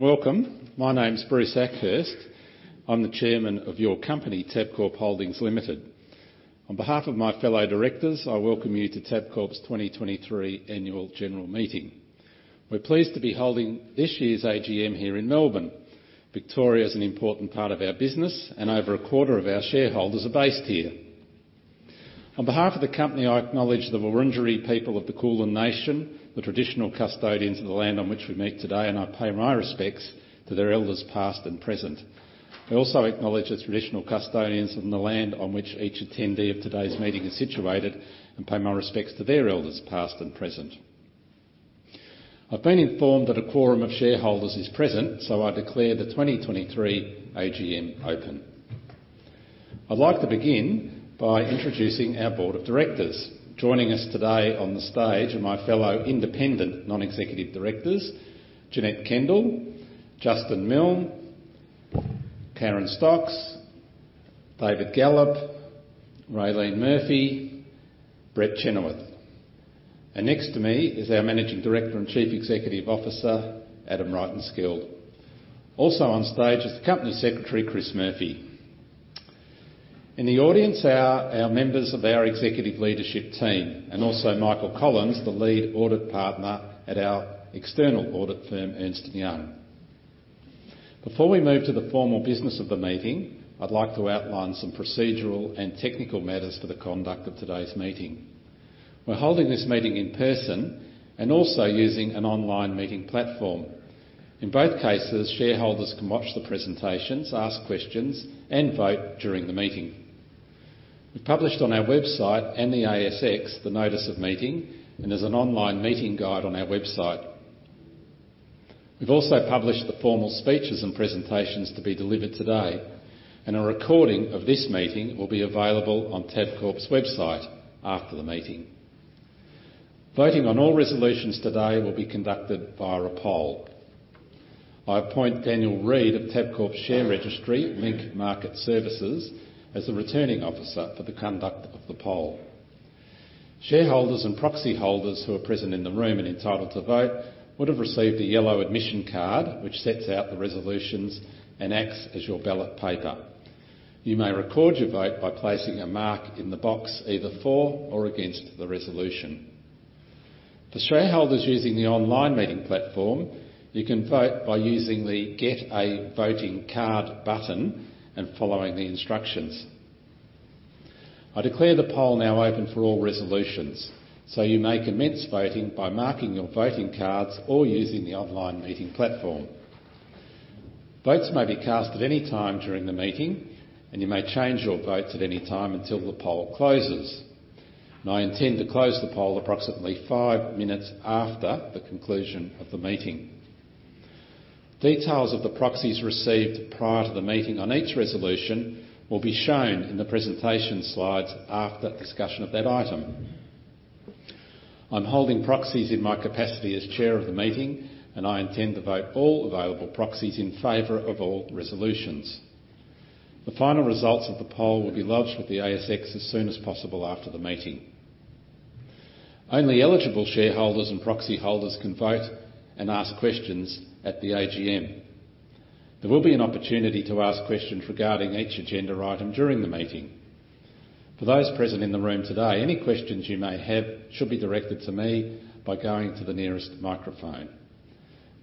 Welcome. My name is Bruce Akhurst. I'm the Chairman of your company, Tabcorp Holdings Limited. On behalf of my fellow directors, I welcome you to Tabcorp's 2023 Annual General Meeting. We're pleased to be holding this year's AGM here in Melbourne. Victoria is an important part of our business, and over a quarter of our shareholders are based here. On behalf of the company, I acknowledge the Wurundjeri people of the Kulin Nation, the traditional custodians of the land on which we meet today, and I pay my respects to their elders, past and present. I also acknowledge the traditional custodians of the land on which each attendee of today's meeting is situated, and pay my respects to their elders, past and present. I've been informed that a quorum of shareholders is present, so I declare the 2023 AGM open. I'd like to begin by introducing our board of directors. Joining us today on the stage are my fellow independent non-executive directors, Janette Kendall, Justin Milne, Karen Stocks, David Gallop, Raelene Murphy, Brett Chenoweth. And next to me is our Managing Director and Chief Executive Officer, Adam Rytenskild. Also on stage is the Company Secretary, Chris Murphy. In the audience are our members of our executive leadership team and also Michael Collins, the Lead Audit Partner at our external audit firm, Ernst & Young. Before we move to the formal business of the meeting, I'd like to outline some procedural and technical matters for the conduct of today's meeting. We're holding this meeting in person and also using an online meeting platform. In both cases, shareholders can watch the presentations, ask questions, and vote during the meeting. We've published on our website and the ASX, the notice of meeting, and there's an online meeting guide on our website. We've also published the formal speeches and presentations to be delivered today, and a recording of this meeting will be available on Tabcorp's website after the meeting. Voting on all resolutions today will be conducted via a poll. I appoint Daniel Reid of Tabcorp's share registry, Link Market Services, as the Returning Officer for the conduct of the poll. Shareholders and proxy holders who are present in the room and entitled to vote would have received a yellow admission card, which sets out the resolutions and acts as your ballot paper. You may record your vote by placing a mark in the box, either for or against the resolution. For shareholders using the online meeting platform, you can vote by using the Get a Voting Card button and following the instructions. I declare the poll now open for all resolutions, so you may commence voting by marking your voting cards or using the online meeting platform. Votes may be cast at any time during the meeting, and you may change your votes at any time until the poll closes. I intend to close the poll approximately five minutes after the conclusion of the meeting. Details of the proxies received prior to the meeting on each resolution will be shown in the presentation slides after discussion of that item. I'm holding proxies in my capacity as chair of the meeting, and I intend to vote all available proxies in favor of all resolutions. The final results of the poll will be lodged with the ASX as soon as possible after the meeting. Only eligible shareholders and proxy holders can vote and ask questions at the AGM. There will be an opportunity to ask questions regarding each agenda item during the meeting. For those present in the room today, any questions you may have should be directed to me by going to the nearest microphone.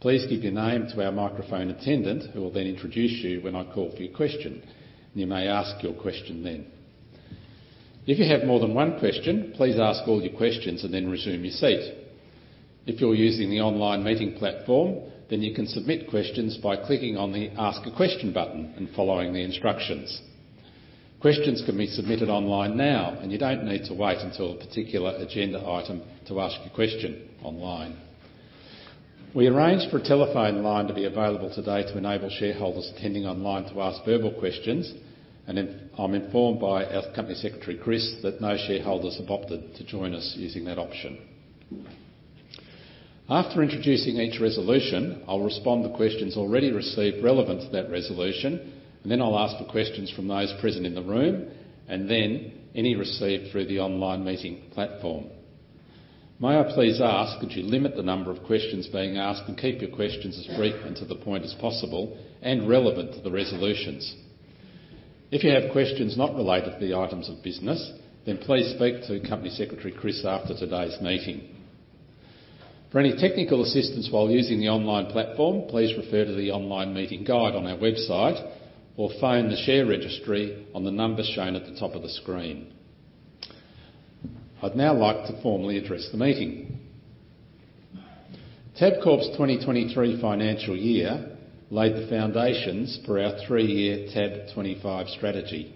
Please give your name to our microphone attendant, who will then introduce you when I call for your question, and you may ask your question then. If you have more than one question, please ask all your questions and then resume your seat. If you're using the online meeting platform, then you can submit questions by clicking on the Ask a Question button and following the instructions. Questions can be submitted online now, and you don't need to wait until a particular agenda item to ask your question online. We arranged for a telephone line to be available today to enable shareholders attending online to ask verbal questions, and I'm informed by our Company Secretary, Chris, that no shareholders have opted to join us using that option. After introducing each resolution, I'll respond to questions already received relevant to that resolution, and then I'll ask for questions from those present in the room, and then any received through the online meeting platform. May I please ask that you limit the number of questions being asked and keep your questions as brief and to the point as possible and relevant to the resolutions. If you have questions not related to the items of business, then please speak to Company Secretary Chris after today's meeting. For any technical assistance while using the online platform, please refer to the online meeting guide on our website, or phone the share registry on the number shown at the top of the screen. I'd now like to formally address the meeting. Tabcorp's 2023 financial year laid the foundations for our three-year TAB25 strategy.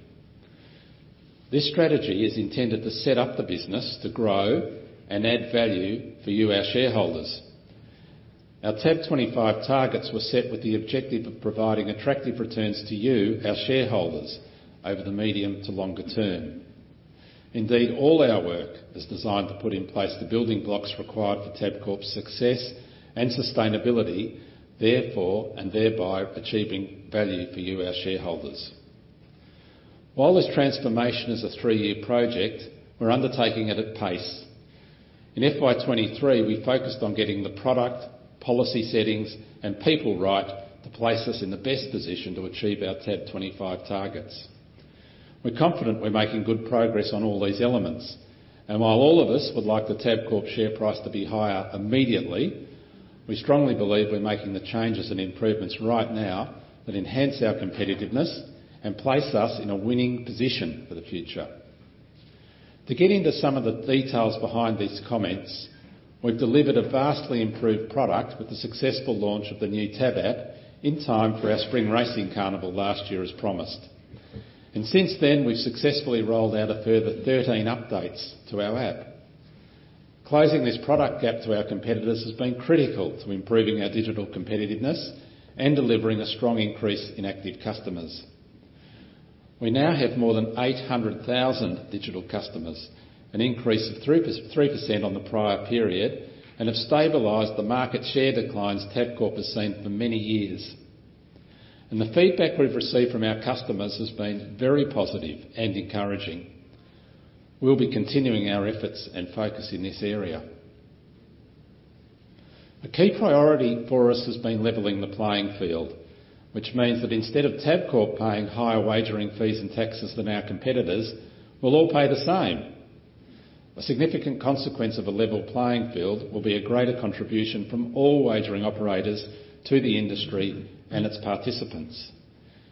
This strategy is intended to set up the business to grow and add value for you, our shareholders. Our TAB25 targets were set with the objective of providing attractive returns to you, our shareholders, over the medium to longer term. Indeed, all our work is designed to put in place the building blocks required for Tabcorp's success and sustainability, therefore, and thereby achieving value for you, our shareholders. While this transformation is a three-year project, we're undertaking it at pace. In FY 2023, we focused on getting the product, policy settings, and people right to place us in the best position to achieve TAB25 targets. We're confident we're making good progress on all these elements, and while all of us would like the Tabcorp share price to be higher immediately, we strongly believe we're making the changes and improvements right now that enhance our competitiveness and place us in a winning position for the future. To get into some of the details behind these comments, we've delivered a vastly improved product with the successful launch of the new TAB app in time for our spring racing carnival last year, as promised. Since then, we've successfully rolled out a further 13 updates to our app. Closing this product gap to our competitors has been critical to improving our digital competitiveness and delivering a strong increase in active customers. We now have more than 800,000 digital customers, an increase of 3%, 3% on the prior period, and have stabilized the market share declines Tabcorp has seen for many years. The feedback we've received from our customers has been very positive and encouraging. We'll be continuing our efforts and focus in this area. A key priority for us has been leveling the playing field, which means that instead of Tabcorp paying higher wagering fees and taxes than our competitors, we'll all pay the same. A significant consequence of a level playing field will be a greater contribution from all wagering operators to the industry and its participants.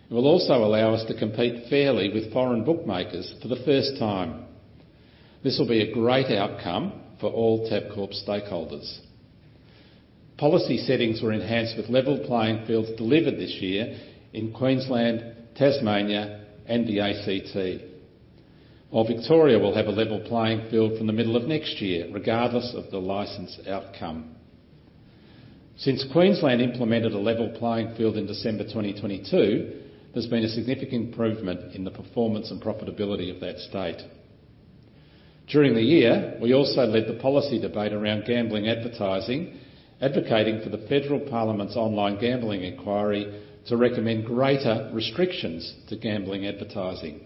It will also allow us to compete fairly with foreign bookmakers for the first time. This will be a great outcome for all Tabcorp stakeholders. Policy settings were enhanced with level playing fields delivered this year in Queensland, Tasmania, and the ACT, while Victoria will have a level playing field from the middle of next year, regardless of the license outcome. Since Queensland implemented a level playing field in December 2022, there's been a significant improvement in the performance and profitability of that state. During the year, we also led the policy debate around gambling advertising, advocating for the Federal Parliament's online gambling inquiry to recommend greater restrictions to gambling advertising.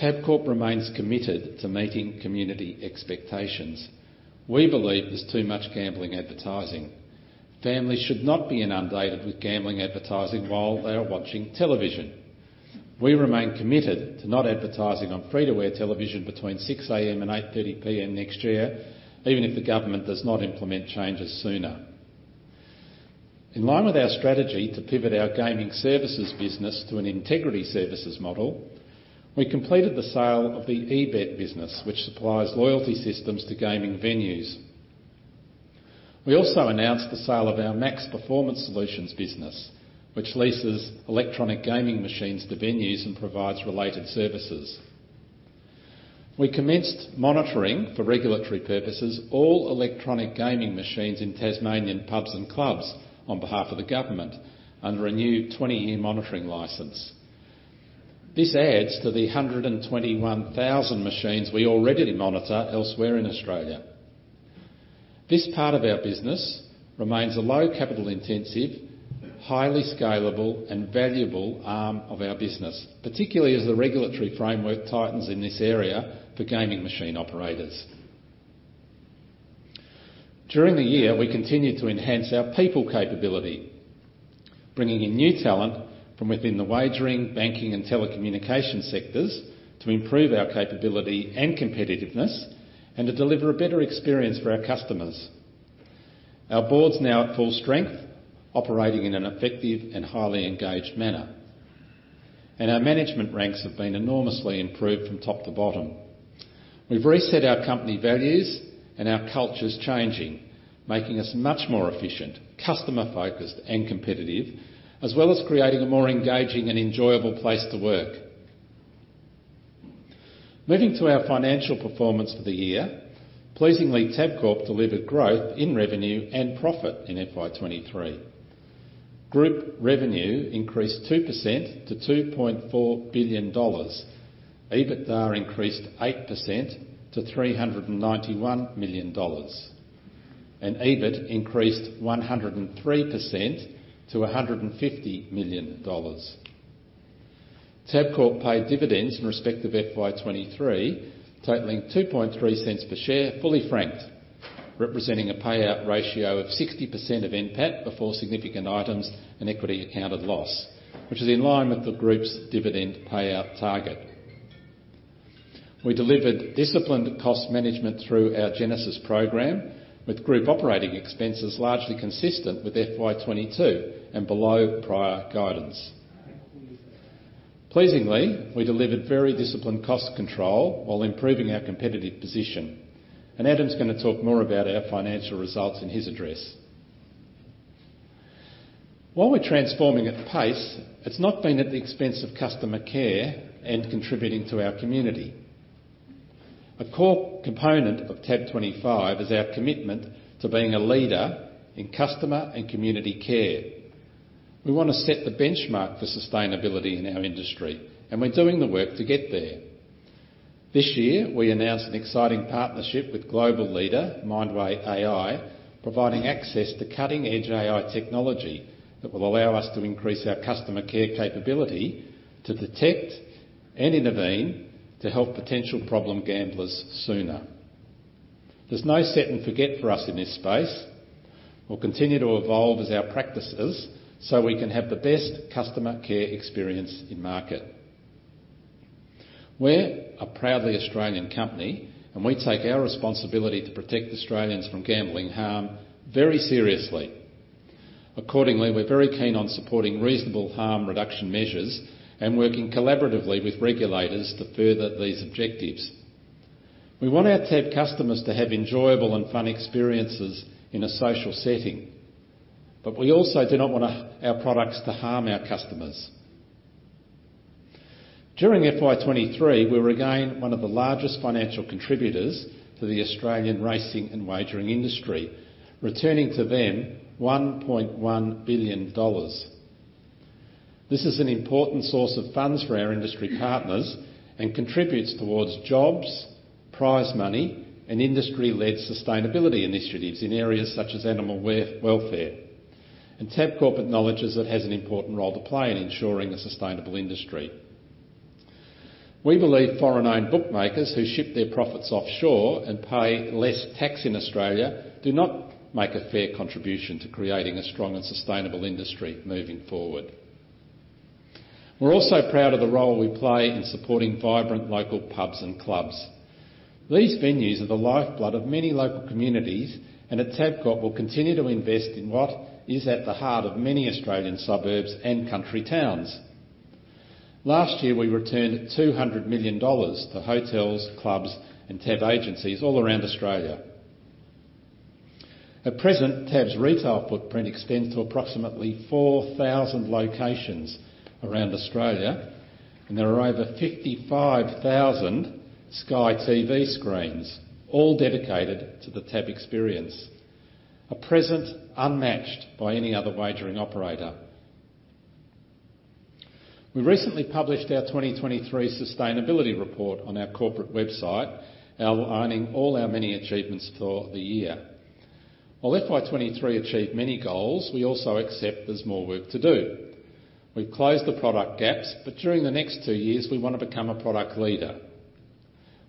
Tabcorp remains committed to meeting community expectations. We believe there's too much gambling advertising. Families should not be inundated with gambling advertising while they are watching television. We remain committed to not advertising on free-to-air television between 6 A.M. and 8 P.M. next year, even if the government does not implement changes sooner. In line with our strategy to pivot our gaming services business to an integrity services model, we completed the sale of the eBet business, which supplies loyalty systems to gaming venues. We also announced the sale of our Max Performance Solutions business, which leases electronic gaming machines to venues and provides related services. We commenced monitoring, for regulatory purposes, all electronic gaming machines in Tasmanian pubs and clubs on behalf of the government under a new 20-year monitoring license. This adds to the 121,000 machines we already monitor elsewhere in Australia. This part of our business remains a low capital-intensive, highly scalable, and valuable arm of our business, particularly as the regulatory framework tightens in this area for gaming machine operators. During the year, we continued to enhance our people capability, bringing in new talent from within the wagering, banking, and telecommunication sectors to improve our capability and competitiveness, and to deliver a better experience for our customers. Our board's now at full strength, operating in an effective and highly engaged manner, and our management ranks have been enormously improved from top to bottom. We've reset our company values, and our culture is changing, making us much more efficient, customer-focused, and competitive, as well as creating a more engaging and enjoyable place to work. Moving to our financial performance for the year, pleasingly, Tabcorp delivered growth in revenue and profit in FY 2023. Group revenue increased 2% to 2.4 billion dollars. EBITDA increased 8% to 391 million dollars, and EBIT increased 103% to 150 million dollars. Tabcorp paid dividends in respect of FY 2023, totaling AUD 0.023 per share, fully franked, representing a payout ratio of 60% of NPAT before significant items and equity-accounted loss, which is in line with the group's dividend payout target. We delivered disciplined cost management through our Genesis program, with group operating expenses largely consistent with FY 2022 and below prior guidance. Pleasingly, we delivered very disciplined cost control while improving our competitive position, and Adam's gonna talk more about our financial results in his address. While we're transforming at pace, it's not been at the expense of customer care and contributing to our community. A core component TAB25 is our commitment to being a leader in customer and community care. We want to set the benchmark for sustainability in our industry, and we're doing the work to get there... This year, we announced an exciting partnership with global leader, Mindway AI, providing access to cutting-edge AI technology that will allow us to increase our customer care capability to detect and intervene to help potential problem gamblers sooner. There's no set and forget for us in this space. We'll continue to evolve as our practices, so we can have the best customer care experience in market. We're a proudly Australian company, and we take our responsibility to protect Australians from gambling harm very seriously. Accordingly, we're very keen on supporting reasonable harm reduction measures and working collaboratively with regulators to further these objectives. We want our TAB customers to have enjoyable and fun experiences in a social setting, but we also do not want our, our products to harm our customers. During FY 2023, we were again one of the largest financial contributors to the Australian racing and wagering industry, returning to them 1.1 billion dollars. This is an important source of funds for our industry partners and contributes towards jobs, prize money, and industry-led sustainability initiatives in areas such as animal welfare, and Tabcorp acknowledges it has an important role to play in ensuring a sustainable industry. We believe foreign-owned bookmakers who ship their profits offshore and pay less tax in Australia do not make a fair contribution to creating a strong and sustainable industry moving forward. We're proud of the role we play in supporting vibrant local pubs and clubs. These venues are the lifeblood of many local communities, and at Tabcorp, we'll continue to invest in what is at the heart of many Australian suburbs and country towns. Last year, we returned 200 million dollars to hotels, clubs, and TAB agencies all around Australia. At present, TAB's retail footprint extends to approximately 4,000 locations around Australia, and there are over 55,000 Sky TV screens, all dedicated to the TAB experience. A presence unmatched by any other wagering operator. We recently published our 2023 sustainability report on our corporate website, outlining all our many achievements for the year. While FY 2023 achieved many goals, we also accept there's more work to do. We've closed the product gaps, but during the next two years, we want to become a product leader.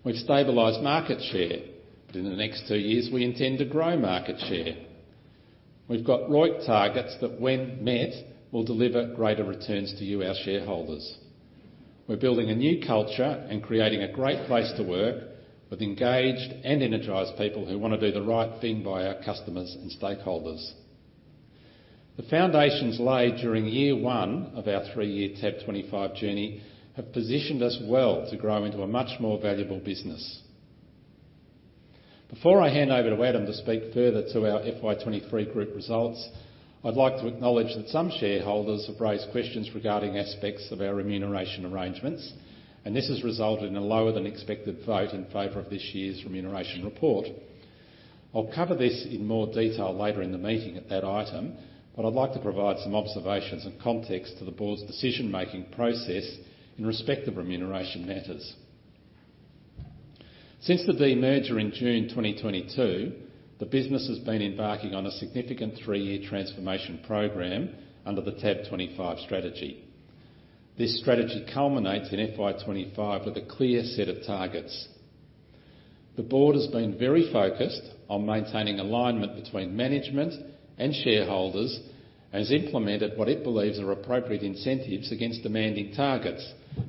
We've stabilized market share, but in the next two years, we intend to grow market share. We've got ROIC targets that, when met, will deliver greater returns to you, our shareholders. We're building a new culture and creating a great place to work, with engaged and energized people who want to do the right thing by our customers and stakeholders. The foundations laid during year one of our three-year TAB25 journey have positioned us well to grow into a much more valuable business. Before I hand over to Adam to speak further to our FY 2023 group results, I'd like to acknowledge that some shareholders have raised questions regarding aspects of our remuneration arrangements, and this has resulted in a lower than expected vote in favor of this year's remuneration report. I'll cover this in more detail later in the meeting at that item, but I'd like to provide some observations and context to the board's decision-making process in respect of remuneration matters. Since the demerger in June 2022, the business has been embarking on a significant three-year transformation program under TAB25 strategy. This strategy culminates in FY 2025 with a clear set of targets. The board has been very focused on maintaining alignment between management and shareholders, and has implemented what it believes are appropriate incentives against demanding targets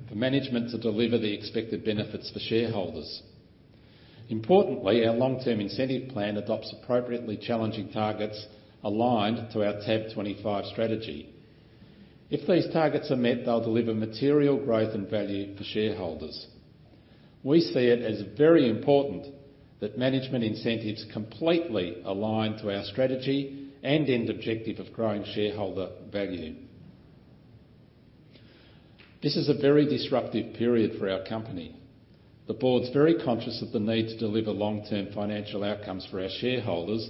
for management to deliver the expected benefits for shareholders. Importantly, our long-term incentive plan adopts appropriately challenging targets aligned to TAB25 strategy. If these targets are met, they'll deliver material growth and value for shareholders. We see it as very important that management incentives completely align to our strategy and end objective of growing shareholder value. This is a very disruptive period for our company. The board's very conscious of the need to deliver long-term financial outcomes for our shareholders,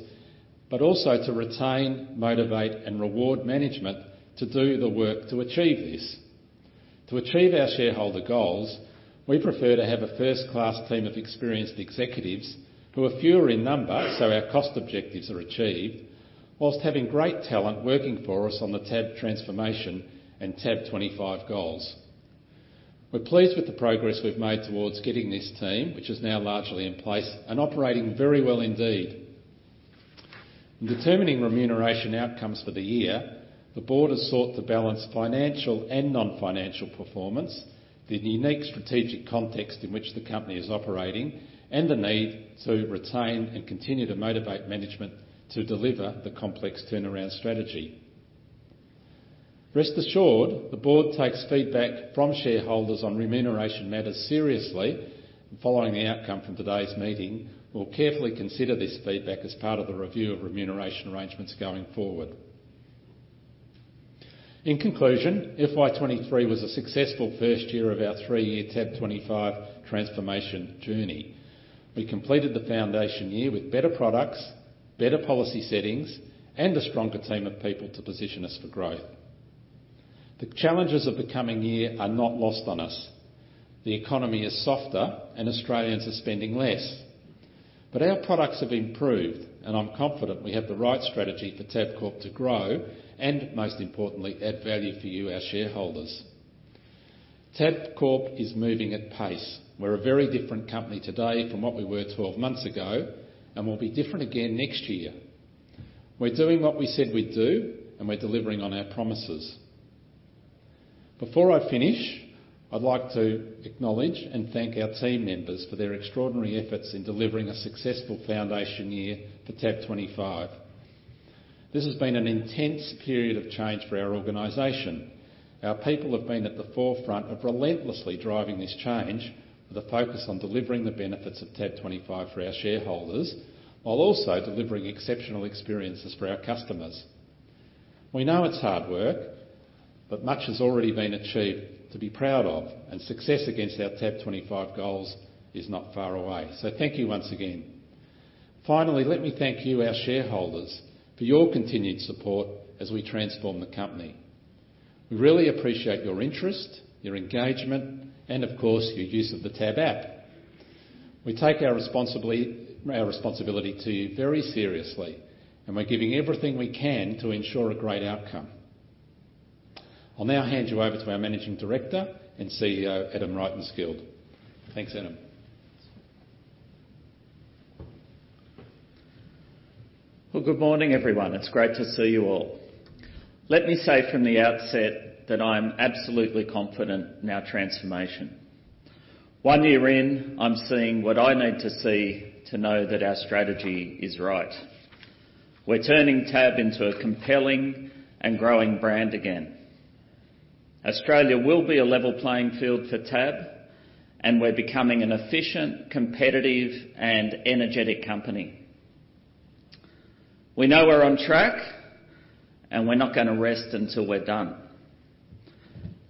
but also to retain, motivate, and reward management to do the work to achieve this. To achieve our shareholder goals, we prefer to have a first-class team of experienced executives who are fewer in number, so our cost objectives are achieved, while having great talent working for us on the TAB transformation and TAB25 goals. We're pleased with the progress we've made towards getting this team, which is now largely in place and operating very well indeed. In determining remuneration outcomes for the year, the board has sought to balance financial and non-financial performance, the unique strategic context in which the company is operating, and the need to retain and continue to motivate management to deliver the complex turnaround strategy. Rest assured, the board takes feedback from shareholders on remuneration matters seriously. Following the outcome from today's meeting, we'll carefully consider this feedback as part of the review of remuneration arrangements going forward. In conclusion, FY 2023 was a successful first year of our three-year TAB25 transformation journey. We completed the foundation year with better products, better policy settings, and a stronger team of people to position us for growth. The challenges of the coming year are not lost on us. The economy is softer, and Australians are spending less. But our products have improved, and I'm confident we have the right strategy for Tabcorp to grow, and most importantly, add value for you, our shareholders. Tabcorp is moving at pace. We're a very different company today from what we were 12 months ago, and we'll be different again next year. We're doing what we said we'd do, and we're delivering on our promises. Before I finish, I'd like to acknowledge and thank our team members for their extraordinary efforts in delivering a successful foundation year for TAB25. This has been an intense period of change for our organization. Our people have been at the forefront of relentlessly driving this change, with a focus on delivering the benefits of TAB25 for our shareholders, while also delivering exceptional experiences for our customers. We know it's hard work, but much has already been achieved to be proud of, and success against our TAB25 goals is not far away. So thank you once again. Finally, let me thank you, our shareholders, for your continued support as we transform the company. We really appreciate your interest, your engagement, and of course, your use of the TAB app. We take our responsibility to you very seriously, and we're giving everything we can to ensure a great outcome. I'll now hand you over to our Managing Director and CEO, Adam Rytenskild. Thanks, Adam. Well, good morning, everyone. It's great to see you all. Let me say from the outset that I'm absolutely confident in our transformation. One year in, I'm seeing what I need to see to know that our strategy is right. We're turning TAB into a compelling and growing brand again. Australia will be a level playing field for TAB, and we're becoming an efficient, competitive, and energetic company. We know we're on track, and we're not gonna rest until we're done.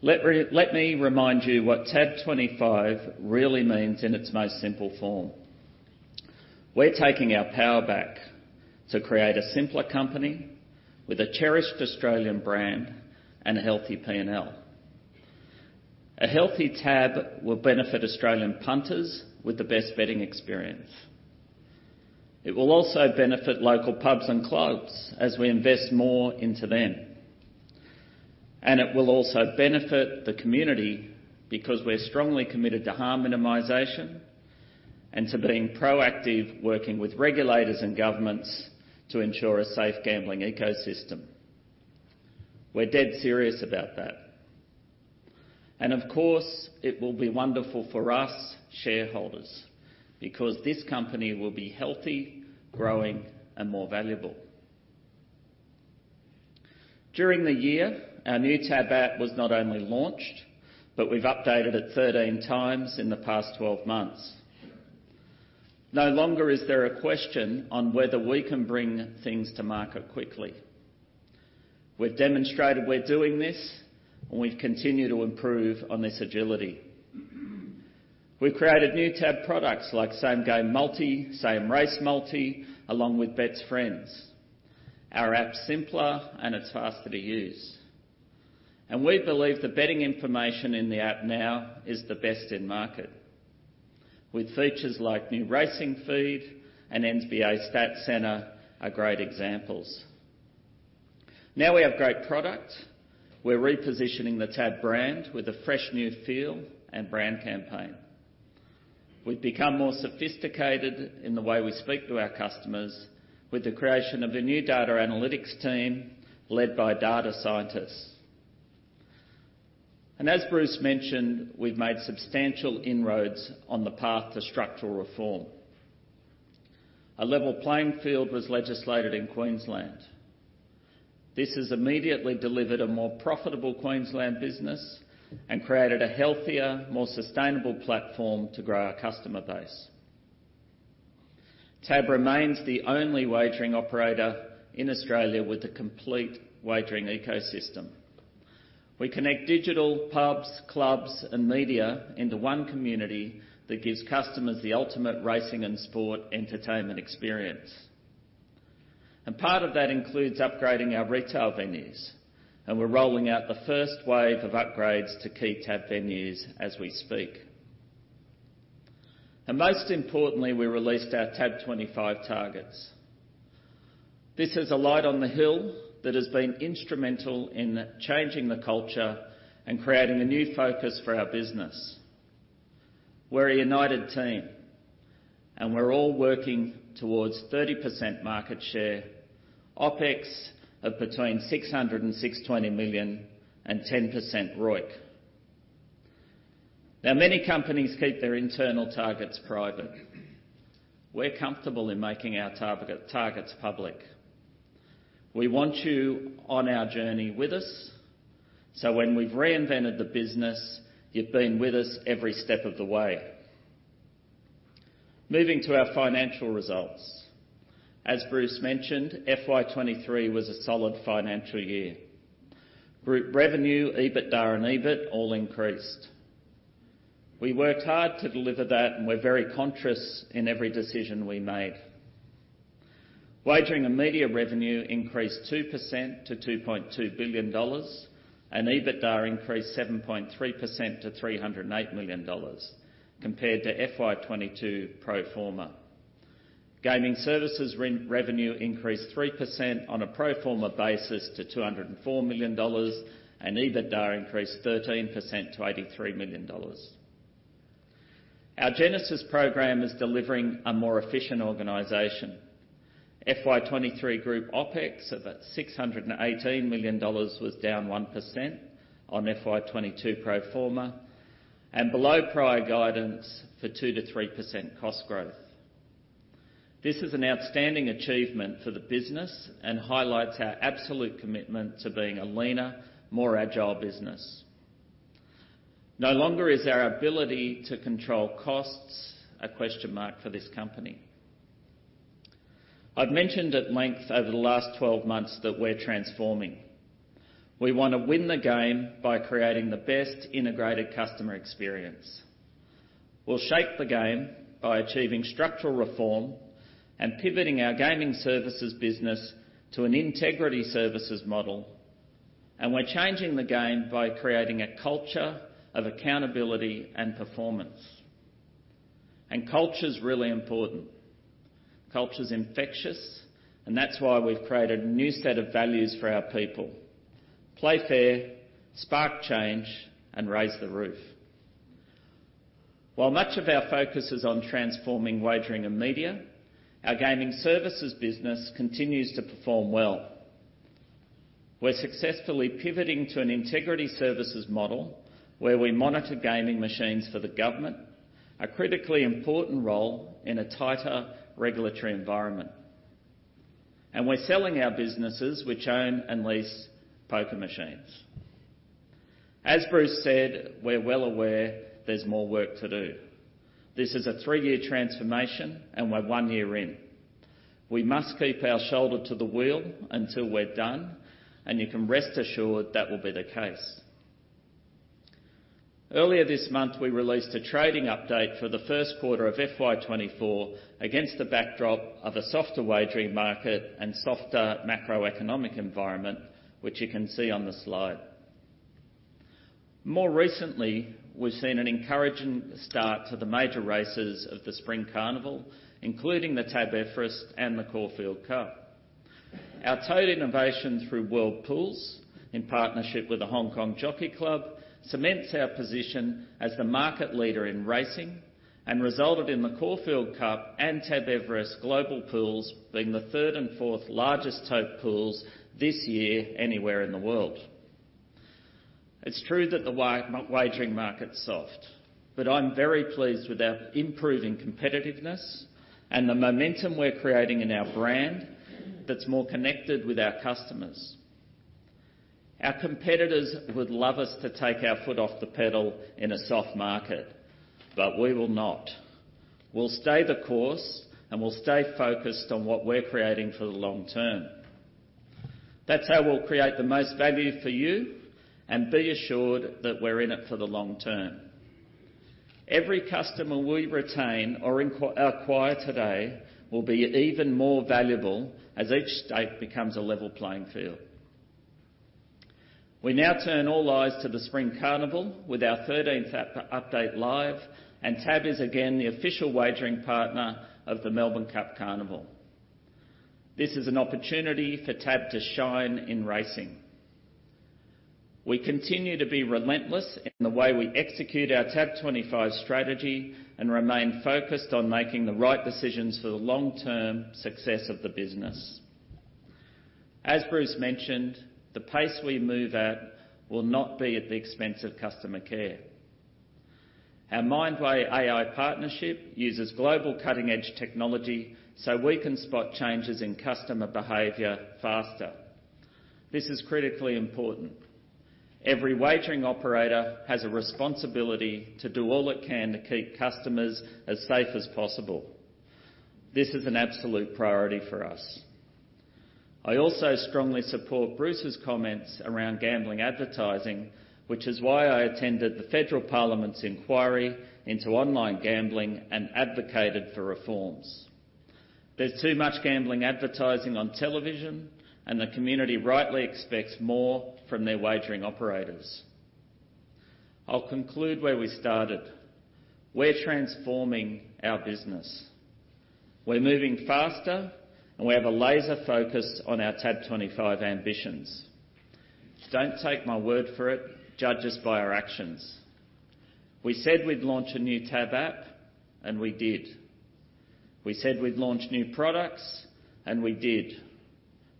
Let me remind you what TAB25 really means in its most simple form. We're taking our power back to create a simpler company with a cherished Australian brand and a healthy P&L. A healthy TAB will benefit Australian punters with the best betting experience. It will also benefit local pubs and clubs as we invest more into them, and it will also benefit the community because we're strongly committed to harm minimization and to being proactive, working with regulators and governments to ensure a safe gambling ecosystem. We're dead serious about that. Of course, it will be wonderful for us shareholders because this company will be healthy, growing, and more valuable. During the year, our new TAB app was not only launched, but we've updated it 13 times in the past 12 months. No longer is there a question on whether we can bring things to market quickly. We've demonstrated we're doing this, and we've continued to improve on this agility. We've created new TAB products like Same Game Multi, Same Race Multi, along with Bet's Friends. Our app is simpler, and it's faster to use. We believe the betting information in the app now is the best in market, with features like new racing feed and NBA Stat Center are great examples. Now we have great product. We're repositioning the TAB brand with a fresh new feel and brand campaign. We've become more sophisticated in the way we speak to our customers with the creation of a new data analytics team led by data scientists. And as Bruce mentioned, we've made substantial inroads on the path to structural reform. A level playing field was legislated in Queensland. This has immediately delivered a more profitable Queensland business and created a healthier, more sustainable platform to grow our customer base. TAB remains the only wagering operator in Australia with a complete wagering ecosystem. We connect digital pubs, clubs, and media into one community that gives customers the ultimate racing and sport entertainment experience. Part of that includes upgrading our retail venues, and we're rolling out the first wave of upgrades to key TAB venues as we speak. Most importantly, we released our TAB25 targets. This is a light on the hill that has been instrumental in changing the culture and creating a new focus for our business. We're a united team, and we're all working towards 30% market share, OpEx of between 600 million and 660 million and 10% ROIC. Now, many companies keep their internal targets private. We're comfortable in making our targets public. We want you on our journey with us, so when we've reinvented the business, you've been with us every step of the way. Moving to our financial results. As Bruce mentioned, FY 2023 was a solid financial year. Group revenue, EBITDA and EBIT all increased. We worked hard to deliver that, and we're very conscious in every decision we made... Wagering and media revenue increased 2% to 2.2 billion dollars, and EBITDA increased 7.3% to 308 million dollars compared to FY 2022 pro forma. Gaming services revenue increased 3% on a pro forma basis to AUD 204 million, and EBITDA increased 13% to AUD 83 million. Our Genesis program is delivering a more efficient organization. FY 2023 group OpEx of 618 million dollars was down 1% on FY 2022 pro forma and below prior guidance for 2%-3% cost growth. This is an outstanding achievement for the business and highlights our absolute commitment to being a leaner, more agile business. No longer is our ability to control costs a question mark for this company. I've mentioned at length over the last 12 months that we're transforming. We want to win the game by creating the best integrated customer experience. We'll shape the game by achieving structural reform and pivoting our gaming services business to an integrity services model, and we're changing the game by creating a culture of accountability and performance. And culture's really important. Culture's infectious, and that's why we've created a new set of values for our people: Play fair, spark change, and raise the roof. While much of our focus is on transforming wagering and media, our gaming services business continues to perform well. We're successfully pivoting to an integrity services model, where we monitor gaming machines for the government, a critically important role in a tighter regulatory environment, and we're selling our businesses which own and lease poker machines. As Bruce said, we're well aware there's more work to do. This is a three-year transformation, and we're one year in. We must keep our shoulder to the wheel until we're done, and you can rest assured that will be the case. Earlier this month, we released a trading update for the first quarter of FY 2024 against the backdrop of a softer wagering market and softer macroeconomic environment, which you can see on the slide. More recently, we've seen an encouraging start to the major races of the Spring Carnival, including the TAB Everest and the Caulfield Cup. Our tote innovation through World Pools, in partnership with the Hong Kong Jockey Club, cements our position as the market leader in racing and resulted in the Caulfield Cup and TAB Everest global pools being the third and fourth largest tote pools this year anywhere in the world. It's true that the wagering market's soft, but I'm very pleased with our improving competitiveness and the momentum we're creating in our brand that's more connected with our customers. Our competitors would love us to take our foot off the pedal in a soft market, but we will not. We'll stay the course, and we'll stay focused on what we're creating for the long term. That's how we'll create the most value for you and be assured that we're in it for the long term. Every customer we retain or acquire today will be even more valuable as each state becomes a level playing field. We now turn all eyes to the Spring Carnival with our 13th app update live, and TAB is again the official wagering partner of the Melbourne Cup Carnival. This is an opportunity for TAB to shine in racing. We continue to be relentless in the way we execute our TAB25 strategy and remain focused on making the right decisions for the long-term success of the business. As Bruce mentioned, the pace we move at will not be at the expense of customer care. Our Mindway AI partnership uses global cutting-edge technology so we can spot changes in customer behavior faster. This is critically important. Every wagering operator has a responsibility to do all it can to keep customers as safe as possible. This is an absolute priority for us. I also strongly support Bruce's comments around gambling advertising, which is why I attended the Federal Parliament's inquiry into online gambling and advocated for reforms. There's too much gambling advertising on television, and the community rightly expects more from their wagering operators. I'll conclude where we started. We're transforming our business. We're moving faster, and we have a laser focus on our TAB25 ambitions. Don't take my word for it. Judge us by our actions. We said we'd launch a new TAB app, and we did. We said we'd launch new products, and we did.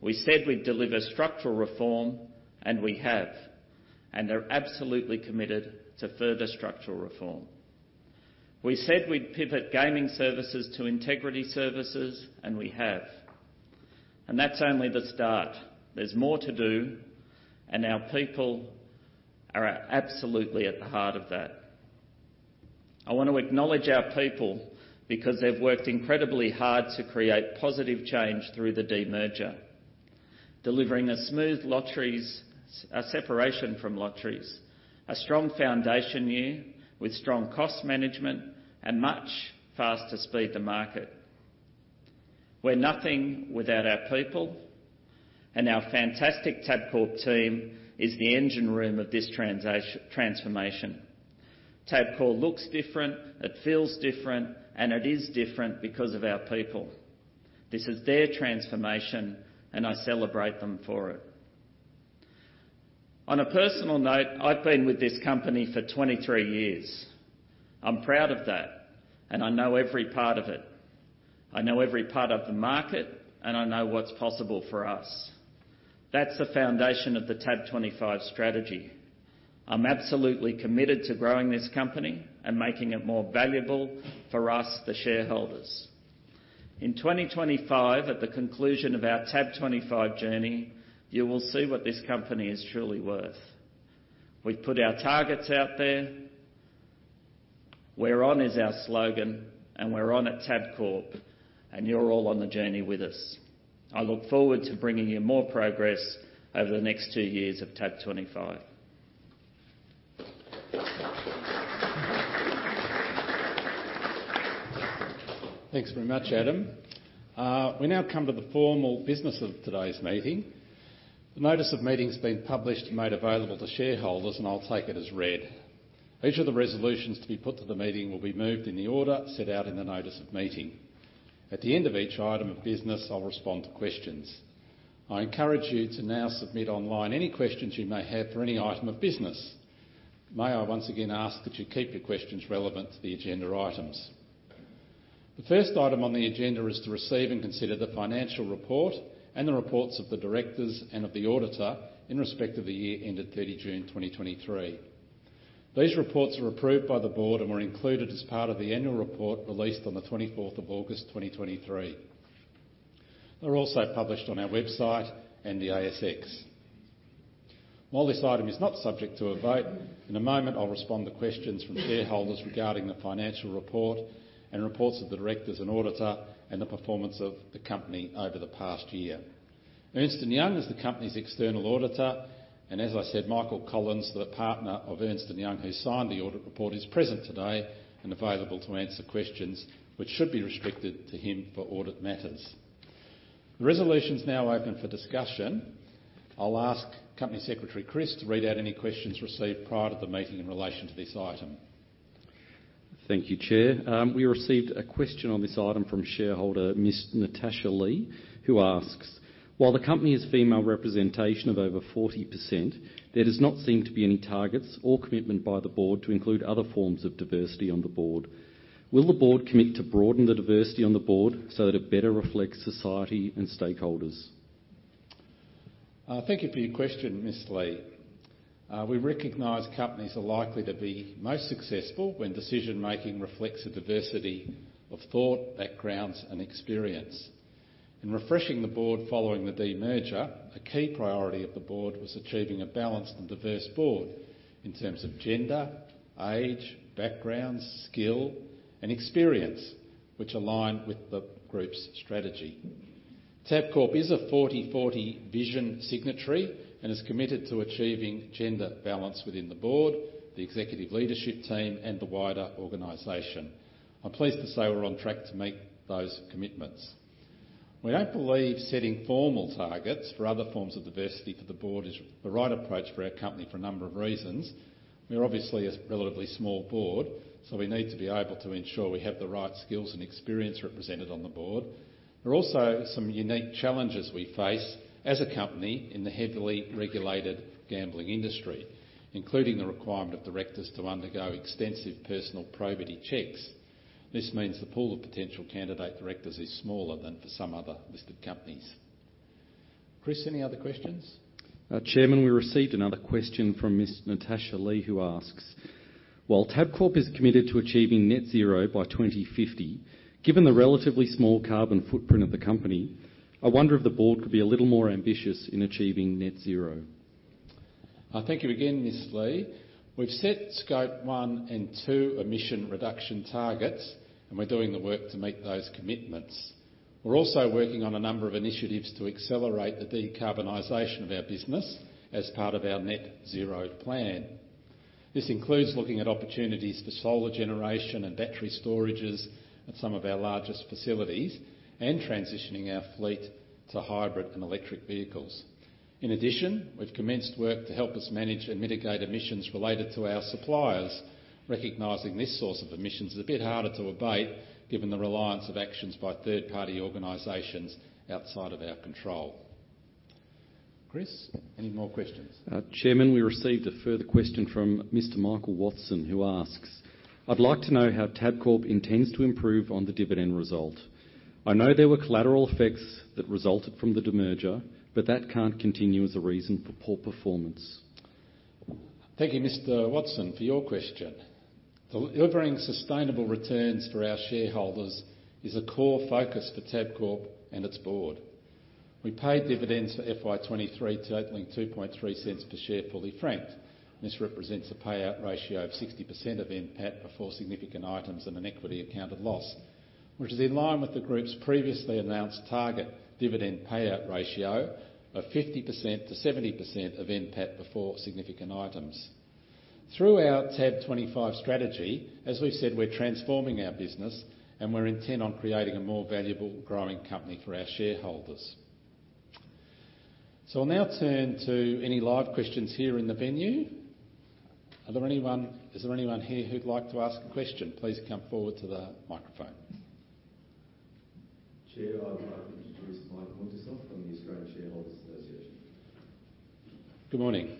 We said we'd deliver structural reform, and we have, and are absolutely committed to further structural reform. We said we'd pivot gaming services to integrity services, and we have, and that's only the start. There's more to do, and our people are at, absolutely at the heart of that. I want to acknowledge our people because they've worked incredibly hard to create positive change through the demerger.... delivering a smooth Lotteries, separation from Lotteries, a strong foundation year with strong cost management and much faster speed to market. We're nothing without our people, and our fantastic Tabcorp team is the engine room of this transformation. Tabcorp looks different, it feels different, and it is different because of our people. This is their transformation, and I celebrate them for it. On a personal note, I've been with this company for 23 years. I'm proud of that, and I know every part of it. I know every part of the market, and I know what's possible for us. That's the foundation of TAB25 strategy. I'm absolutely committed to growing this company and making it more valuable for us, the shareholders. In 2025, at the conclusion of TAB25 journey, you will see what this company is truly worth. We've put our targets out there. "We're on" is our slogan, and we're on at Tabcorp, and you're all on the journey with us. I look forward to bringing you more progress over the next two years of TAB25. Thanks very much, Adam. We now come to the formal business of today's meeting. The notice of meeting's been published and made available to shareholders, and I'll take it as read. Each of the resolutions to be put to the meeting will be moved in the order set out in the notice of meeting. At the end of each item of business, I'll respond to questions. I encourage you to now submit online any questions you may have for any item of business. May I once again ask that you keep your questions relevant to the agenda items? The first item on the agenda is to receive and consider the financial report and the reports of the directors and of the auditor in respect of the year ended 30 June 2023. These reports were approved by the board and were included as part of the annual report released on the 24th of August 2023. They're also published on our website and the ASX. While this item is not subject to a vote, in a moment, I'll respond to questions from shareholders regarding the financial report and reports of the directors and auditor, and the performance of the company over the past year. Ernst & Young is the company's external auditor, and as I said, Michael Collins, the partner of Ernst & Young, who signed the audit report, is present today and available to answer questions which should be restricted to him for audit matters. The resolution is now open for discussion. I'll ask Company Secretary Chris to read out any questions received prior to the meeting in relation to this item. Thank you, Chair. We received a question on this item from shareholder Ms. Natasha Lee, who asks: "While the company has female representation of over 40%, there does not seem to be any targets or commitment by the board to include other forms of diversity on the board. Will the board commit to broaden the diversity on the board so that it better reflects society and stakeholders? Thank you for your question, Ms. Lee. We recognize companies are likely to be most successful when decision-making reflects a diversity of thought, backgrounds, and experience. In refreshing the board following the demerger, a key priority of the board was achieving a balanced and diverse board in terms of gender, age, background, skill, and experience, which align with the group's strategy. Tabcorp is a 40/40 vision signatory and is committed to achieving gender balance within the board, the executive leadership team, and the wider organization. I'm pleased to say we're on track to meet those commitments. We don't believe setting formal targets for other forms of diversity for the board is the right approach for our company for a number of reasons. We're obviously a relatively small board, so we need to be able to ensure we have the right skills and experience represented on the board. There are also some unique challenges we face as a company in the heavily regulated gambling industry, including the requirement of directors to undergo extensive personal probity checks. This means the pool of potential candidate directors is smaller than for some other listed companies. Chris, any other questions? Chairman, we received another question from Ms. Natasha Lee, who asks: "While Tabcorp is committed to achieving net zero by 2050, given the relatively small carbon footprint of the company, I wonder if the board could be a little more ambitious in achieving net zero? Thank you again, Ms. Lee. We've set scope one and two emission reduction targets, and we're doing the work to meet those commitments. We're also working on a number of initiatives to accelerate the decarbonization of our business as part of our net zero plan. This includes looking at opportunities for solar generation and battery storages at some of our largest facilities and transitioning our fleet to hybrid and electric vehicles. In addition, we've commenced work to help us manage and mitigate emissions related to our suppliers, recognizing this source of emissions is a bit harder to abate given the reliance of actions by third-party organizations outside of our control. Chris, any more questions? Chairman, we received a further question from Mr. Michael Watson, who asks: "I'd like to know how Tabcorp intends to improve on the dividend result. I know there were collateral effects that resulted from the demerger, but that can't continue as a reason for poor performance. Thank you, Mr. Watson, for your question. Delivering sustainable returns for our shareholders is a core focus for Tabcorp and its board. We paid dividends for FY 2023, totaling AUD 0.023 per share, fully franked. This represents a payout ratio of 60% of NPAT before significant items and an equity accounted loss, which is in line with the group's previously announced target dividend payout ratio of 50%-70% of NPAT before significant items.... Through our TAB25 strategy, as we've said, we're transforming our business, and we're intent on creating a more valuable, growing company for our shareholders. So I'll now turn to any live questions here in the venue. Is there anyone here who'd like to ask a question? Please come forward to the microphone. Chair, I would like to introduce Mike Muntisov from the Australian Shareholders Association. Good morning. Yeah, good morning.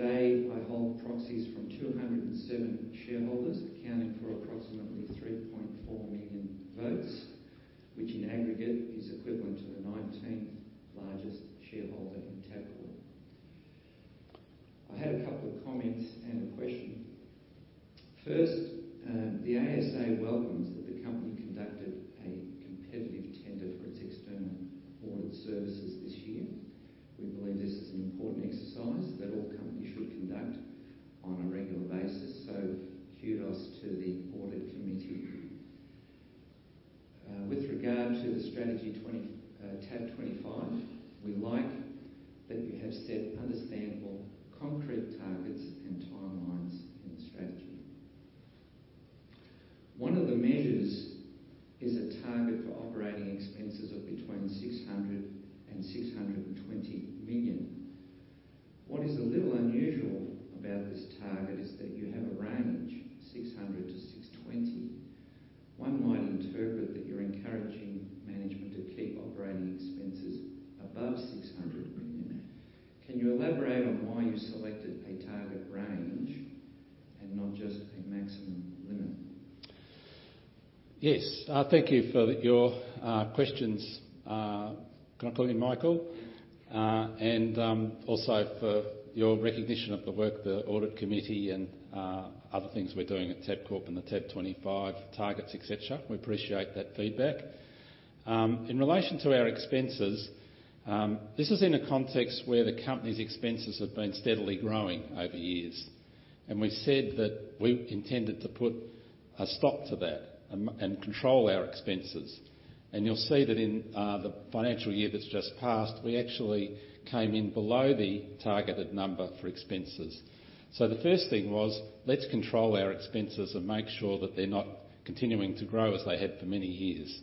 My name is Mike Muntisov. I'm a volunteer representing the Australian Shareholders Association. Today, I hold proxies from 207 shareholders, accounting for approximately 3.4 million votes, which in aggregate, is equivalent to the 19th largest shareholder in Tabcorp. I had a couple of comments and a question. First, the ASA welcomes that the company conducted a competitive tender for its external audit services this year. We believe this is an important exercise that all companies should conduct on a regular basis, so kudos to the audit committee. With regard to the Strategy TAB25, we like that you have set understandable, concrete targets and timelines in the strategy. One of the measures is a target for operating expenses of between 600 million and 620 million. What is a little unusual about this target is that you have a range, 600 million-620 million. One might interpret that you're encouraging management to keep operating expenses above 600 million. Can you elaborate on why you selected a target range and not just a maximum limit? Yes. Thank you for your questions. Can I call you Michael? And also for your recognition of the work, the audit committee and other things we're doing at Tabcorp and TAB25 targets, et cetera. We appreciate that feedback. In relation to our expenses, this is in a context where the company's expenses have been steadily growing over years, and we've said that we intended to put a stop to that and control our expenses. And you'll see that in the financial year that's just passed, we actually came in below the targeted number for expenses. So the first thing was, let's control our expenses and make sure that they're not continuing to grow as they had for many years.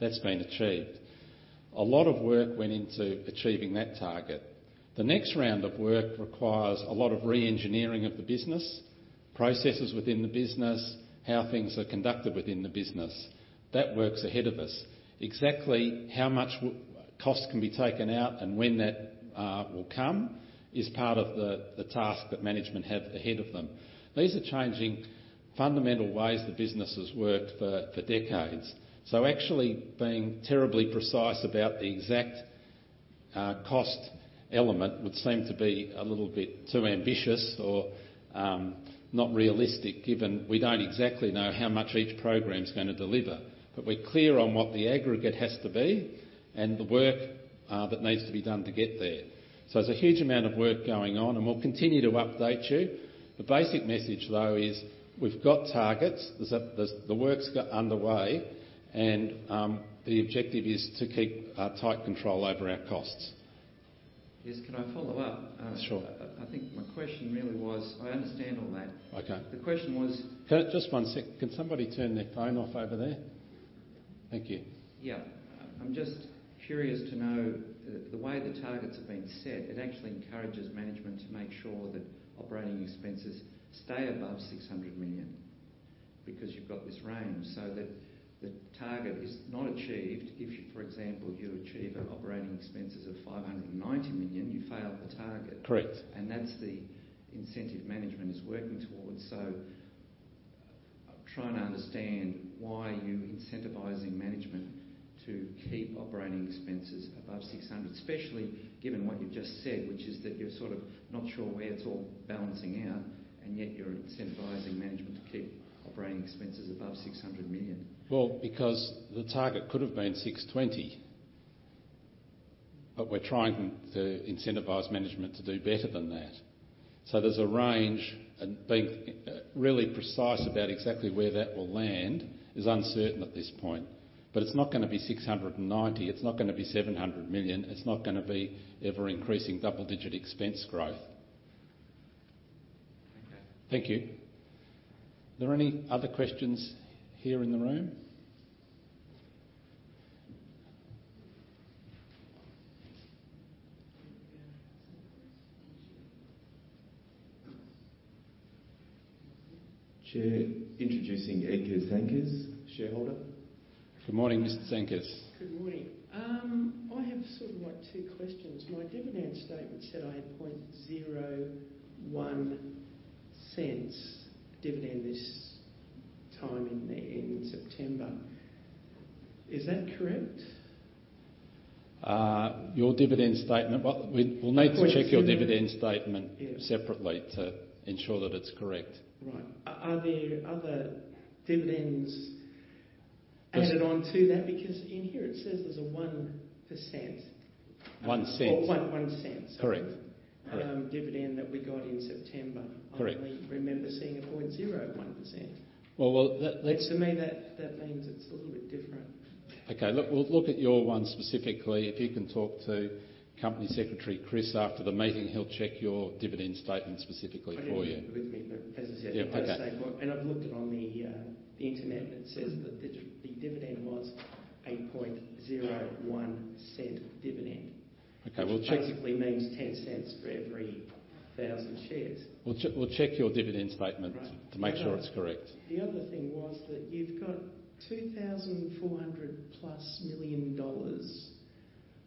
That's been achieved. A lot of work went into achieving that target. The next round of work requires a lot of reengineering of the business, processes within the business, how things are conducted within the business. That work's ahead of us. Exactly how much costs can be taken out and when that will come is part of the task that management have ahead of them. These are changing fundamental ways the business has worked for decades. So actually, being terribly precise about the exact cost element would seem to be a little bit too ambitious or not realistic, given we don't exactly know how much each program is gonna deliver. But we're clear on what the aggregate has to be and the work that needs to be done to get there. So there's a huge amount of work going on, and we'll continue to update you. The basic message, though, is we've got targets, the work's got underway, and the objective is to keep tight control over our costs. Yes. Can I follow up? Sure. I think my question really was... I understand all that. Okay. The question was- Just one sec. Can somebody turn their phone off over there? Thank you. Yeah. I'm just curious to know, the way the targets have been set, it actually encourages management to make sure that operating expenses stay above 600 million, because you've got this range. So the target is not achieved if you, for example, you achieve operating expenses of 590 million, you fail the target. Correct. That's the incentive management is working towards. I'm trying to understand why you're incentivizing management to keep operating expenses above 600 million, especially given what you've just said, which is that you're sort of not sure where it's all balancing out, and yet you're incentivizing management to keep operating expenses above 600 million. Well, because the target could have been 620 million, but we're trying to incentivize management to do better than that. So there's a range, and being really precise about exactly where that will land is uncertain at this point, but it's not gonna be 690 million, it's not gonna be 700 million, it's not gonna be ever-increasing double-digit expense growth. Okay. Thank you. Are there any other questions here in the room? Chair, introducing Edgar Sankers, shareholder. Good morning, Mr. Sankers. Good morning. I have sort of like two questions. My dividend statement said I had 0.01 cents dividend this time in September. Is that correct? Your dividend statement... Well, we'll need to check your dividend statement- Yes. - separately to ensure that it's correct. Right. Are there other dividends added on to that? Because in here it says there's a 1%- 0.01. 0.01 Correct. dividend that we got in September. Correct. I only remember seeing a 0.01. Well, well, that To me, that means it's a little bit different. Okay, look, we'll look at your one specifically. If you can talk to Company Secretary Chris after the meeting, he'll check your dividend statement specifically for you. I don't have it with me, but as I said- Yeah, okay. I've looked it on the internet, and it says that the dividend was a 0.01 dividend. Okay, we'll check- Which basically means 0.10 for every 1,000 shares. We'll check, we'll check your dividend statement- Right. to make sure it's correct. The other thing was that you've got 2,400+ million dollars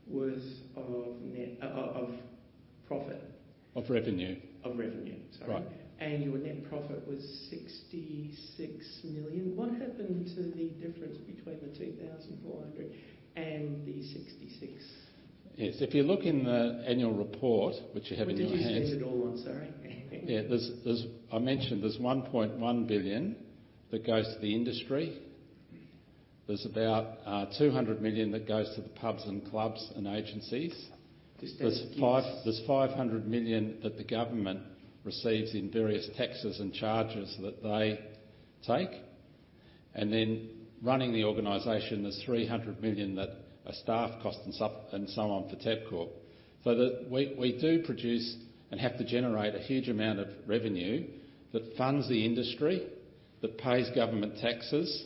worth of net of profit. Of revenue. Of revenue, sorry. Right. Your net profit was 66 million. What happened to the difference between the 2,400 million and the 66 million? Yes, if you look in the annual report, which you have in your hands- Where did you spend it all on? Sorry. Yeah, there's... I mentioned there's 1.1 billion that goes to the industry. There's about 200 million that goes to the pubs and clubs and agencies. This doesn't- There's 500 million that the government receives in various taxes and charges that they take. And then running the organization, there's 300 million that are staff costs and so on for Tabcorp. So we do produce and have to generate a huge amount of revenue that funds the industry, that pays government taxes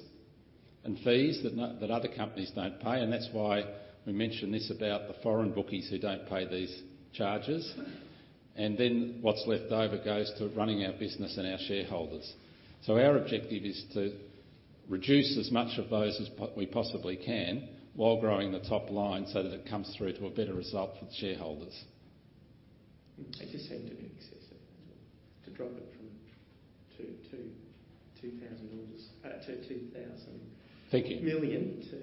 and fees that other companies don't pay, and that's why we mention this about the foreign bookies who don't pay these charges. And then what's left over goes to running our business and our shareholders. So our objective is to reduce as much of those as we possibly can while growing the top line so that it comes through to a better result for the shareholders. It just seemed a bit excessive to drop it from AUD 2 billion to AUD 2000 million or just, to AUD 2000- Thank you. -million to...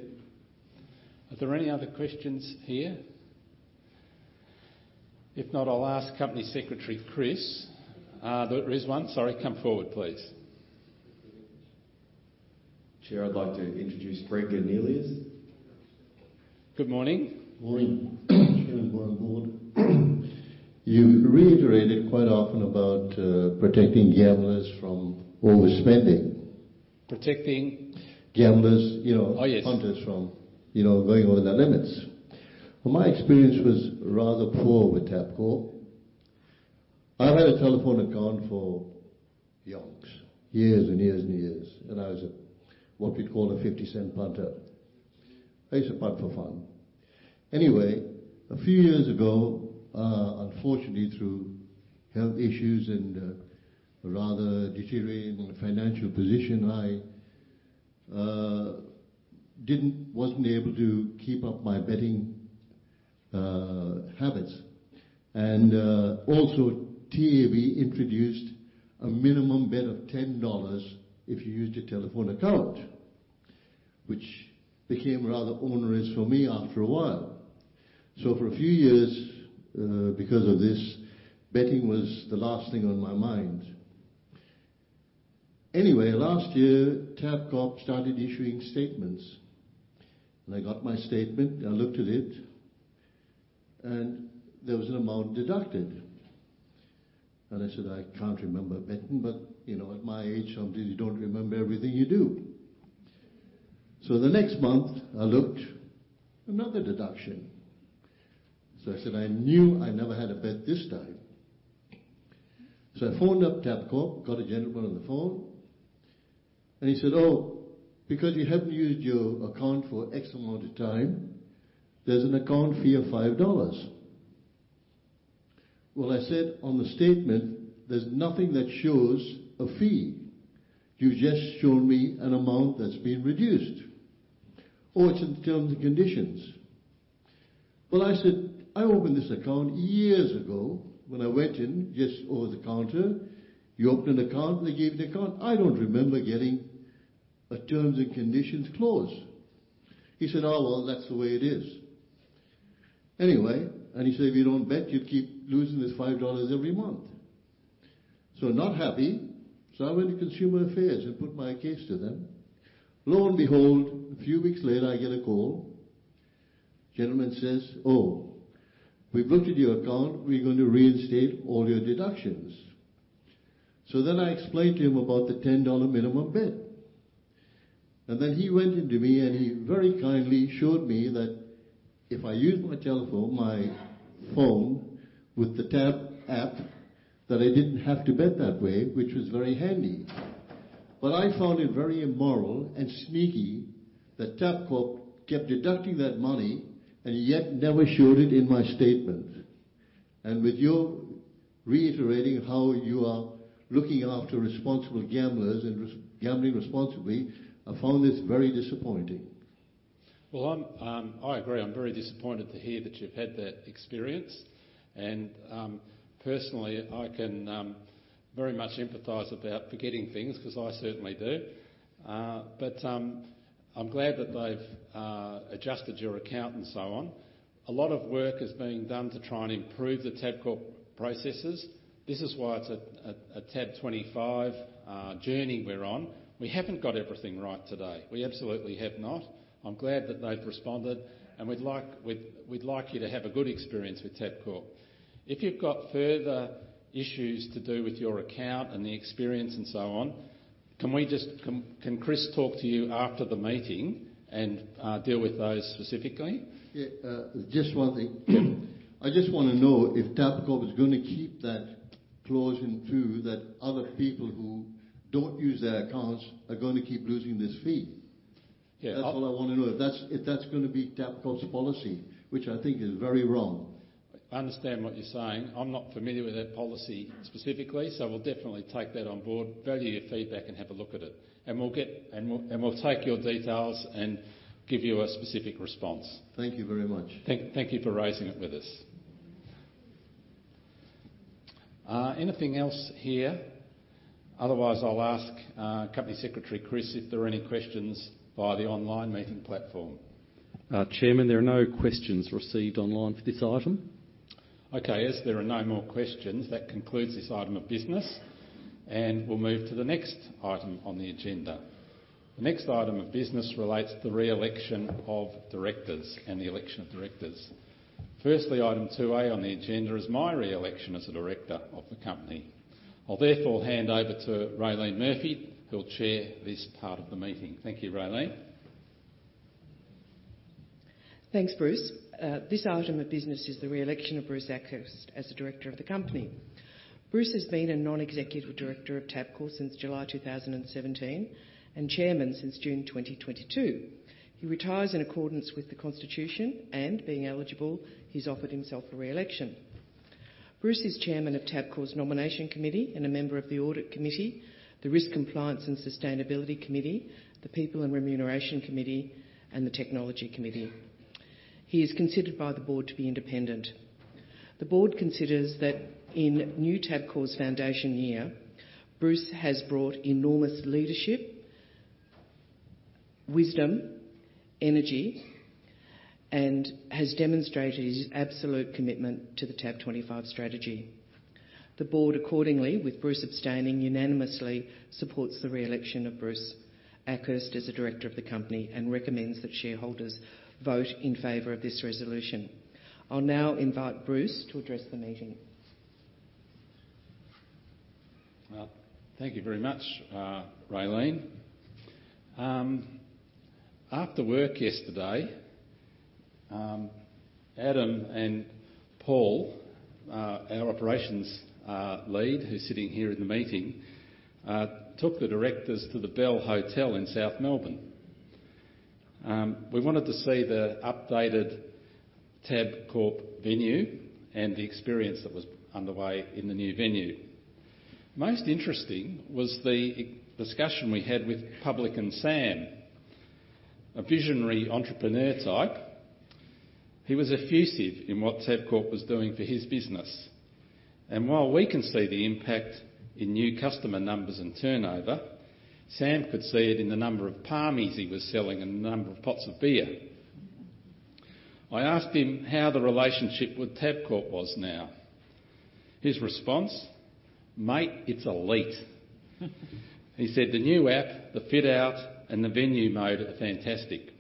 Are there any other questions here? If not, I'll ask Company Secretary Chris. There is one. Sorry, come forward, please. Chair, I'd like to introduce Frank Baldino. Good morning. Morning. Chair and board. You reiterated quite often about protecting gamblers from overspending. Protecting? Gamblers, you know- Oh, yes. punters from, you know, going over their limits. Well, my experience was rather poor with Tabcorp. I've had a telephone account for yonks, years and years and years, and I was a, what we'd call a 0.50 punter. I used to punt for fun. Anyway, a few years ago, unfortunately, through health issues and a rather deteriorating financial position, I wasn't able to keep up my betting habits. TAB introduced a minimum bet of AUD 10 if you used a telephone account, which became rather onerous for me after a while. For a few years, because of this, betting was the last thing on my mind. Anyway, last year, Tabcorp started issuing statements. I got my statement, I looked at it, and there was an amount deducted. I said, "I can't remember betting," but, you know, at my age, sometimes you don't remember everything you do. So the next month, I looked, another deduction. So I said, "I knew I never had a bet this time." So I phoned up Tabcorp, got a gentleman on the phone, and he said, "Oh, because you haven't used your account for X amount of time, there's an account fee of 5 dollars." "Well," I said, "on the statement, there's nothing that shows a fee. You've just shown me an amount that's been reduced." "Oh, it's in the terms and conditions." "Well," I said, "I opened this account years ago when I went in just over the counter. You opened an account, and they gave the account. I don't remember getting a terms and conditions clause," he said. "Oh, well, that's the way it is." Anyway, and he said, "If you don't bet, you'll keep losing this 5 dollars every month." So not happy, so I went to Consumer Affairs and put my case to them. Lo and behold, a few weeks later, I get a call. Gentleman says, "Oh, we've looked at your account. We're going to reinstate all your deductions." So then I explained to him about the 10 dollar minimum bet, and then he went into me, and he very kindly showed me that if I used my telephone, my phone with the TAB app, that I didn't have to bet that way, which was very handy. But I found it very immoral and sneaky that Tabcorp kept deducting that money and yet never showed it in my statement. With you reiterating how you are looking after responsible gamblers and responsible gambling responsibly, I found this very disappointing. Well, I'm, I agree. I'm very disappointed to hear that you've had that experience, and, personally, I can, very much empathize about forgetting things, 'cause I certainly do. But, I'm glad that they've adjusted your account and so on. A lot of work is being done to try and improve the Tabcorp processes. This is why it's TAB25 journey we're on. We haven't got everything right today. We absolutely have not. I'm glad that they've responded, and we'd like you to have a good experience with Tabcorp. If you've got further issues to do with your account and the experience and so on, can we just, can Chris talk to you after the meeting and, deal with those specifically? Yeah, just one thing. I just wanna know if Tabcorp is gonna keep that clause in too, that other people who don't use their accounts are gonna keep losing this fee. Yeah, I- That's all I wanna know, if that's gonna be Tabcorp's policy, which I think is very wrong. I understand what you're saying. I'm not familiar with that policy specifically, so we'll definitely take that on board, value your feedback, and have a look at it. And we'll take your details and give you a specific response. Thank you very much. Thank you for raising it with us. Anything else here? Otherwise, I'll ask Company Secretary Chris if there are any questions via the online meeting platform. Chairman, there are no questions received online for this item. Okay, as there are no more questions, that concludes this item of business, and we'll move to the next item on the agenda. The next item of business relates to the re-election of directors and the election of directors. Firstly, item 2A on the agenda is my re-election as a director of the company. I'll therefore hand over to Raylene Murphy, who'll chair this part of the meeting. Thank you, Raelene. Thanks, Bruce. This item of business is the re-election of Bruce Akhurst as a director of the company. Bruce has been a non-executive director of Tabcorp since July 2017, and chairman since June 2022. He retires in accordance with the constitution, and being eligible, he's offered himself for re-election. Bruce is chairman of Tabcorp's Nomination Committee and a member of the Audit Committee, the Risk, Compliance and Sustainability Committee, the People and Remuneration Committee, and the Technology Committee. He is considered by the board to be independent. The board considers that in new Tabcorp's foundation year, Bruce has brought enormous leadership, wisdom, energy, and has demonstrated his absolute commitment to TAB25 strategy. The board, accordingly, with Bruce abstaining, unanimously supports the re-election of Bruce Akhurst as a director of the company and recommends that shareholders vote in favor of this resolution. I'll now invite Bruce to address the meeting. Well, thank you very much, Raylene. After work yesterday, Adam and Paul, our operations lead, who's sitting here in the meeting, took the directors to the Bell Hotel in South Melbourne. We wanted to see the updated Tabcorp venue and the experience that was underway in the new venue. Most interesting was the discussion we had with publican Sam, a visionary entrepreneur type. He was effusive in what Tabcorp was doing for his business, and while we can see the impact in new customer numbers and turnover, Sam could see it in the number of parmies he was selling and the number of pots of beer. I asked him how the relationship with Tabcorp was now. His response? "Mate, it's elite." He said the new app, the fit-out, and the venue mode are fantastic.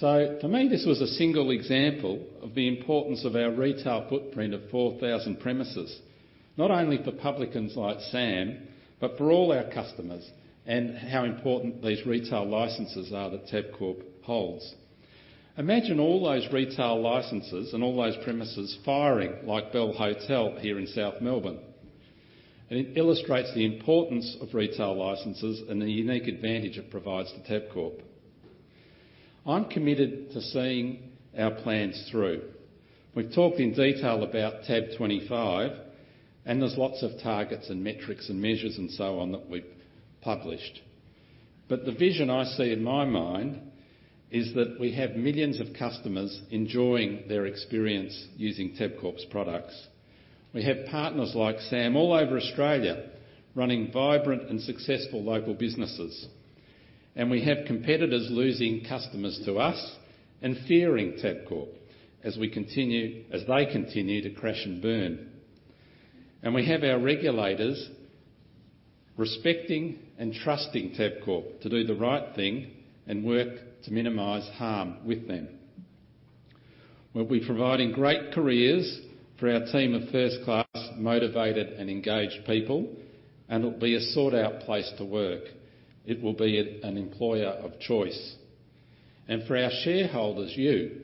So for me, this was a single example of the importance of our retail footprint of 4,000 premises, not only for publicans like Sam, but for all our customers, and how important these retail licenses are that Tabcorp holds. Imagine all those retail licenses and all those premises firing like Bell Hotel here in South Melbourne. It illustrates the importance of retail licenses and the unique advantage it provides to Tabcorp. I'm committed to seeing our plans through. We've talked in detail TAB25, and there's lots of targets, and metrics, and measures, and so on that we've published. The vision I see in my mind is that we have millions of customers enjoying their experience using Tabcorp's products. We have partners like Sam all over Australia, running vibrant and successful local businesses. We have competitors losing customers to us and fearing Tabcorp as they continue to crash and burn. We have our regulators respecting and trusting Tabcorp to do the right thing and work to minimize harm with them. We'll be providing great careers for our team of first-class, motivated, and engaged people, and it'll be a sought-out place to work. It will be an employer of choice. For our shareholders, you,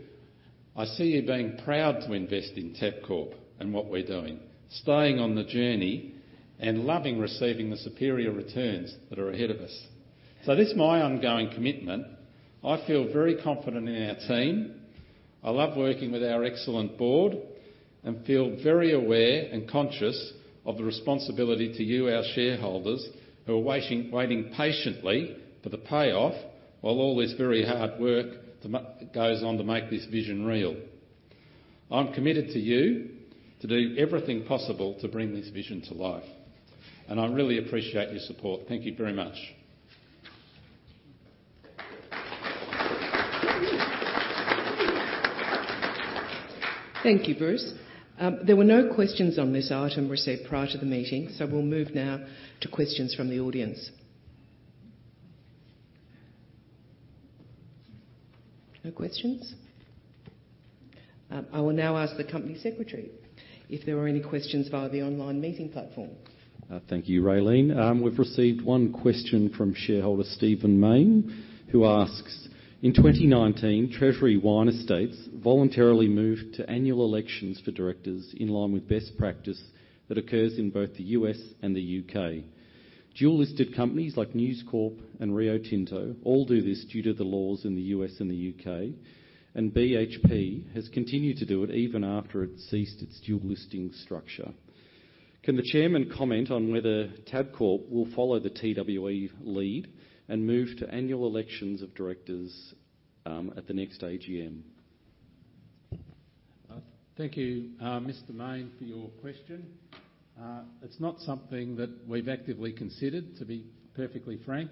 I see you being proud to invest in Tabcorp and what we're doing, staying on the journey, and loving receiving the superior returns that are ahead of us. This is my ongoing commitment. I feel very confident in our team. I love working with our excellent board and feel very aware and conscious of the responsibility to you, our shareholders, who are waiting, waiting patiently for the payoff while all this very hard work goes on to make this vision real. I'm committed to you to do everything possible to bring this vision to life, and I really appreciate your support. Thank you very much. Thank you, Bruce. There were no questions on this item received prior to the meeting, so we'll move now to questions from the audience. No questions? I will now ask the company secretary if there are any questions via the online meeting platform. Thank you, Raelene. We've received one question from shareholder Steven Main, who asks: "In 2019, Treasury Wine Estates voluntarily moved to annual elections for directors in line with best practice that occurs in both the U.S. and the U.K. Dual-listed companies like News Corp and Rio Tinto all do this due to the laws in the U.S. and the U.K., and BHP has continued to do it even after it ceased its dual listing structure. Can the chairman comment on whether Tabcorp will follow the TWE lead and move to annual elections of directors, at the next AGM? Thank you, Mr. Main, for your question. It's not something that we've actively considered, to be perfectly frank.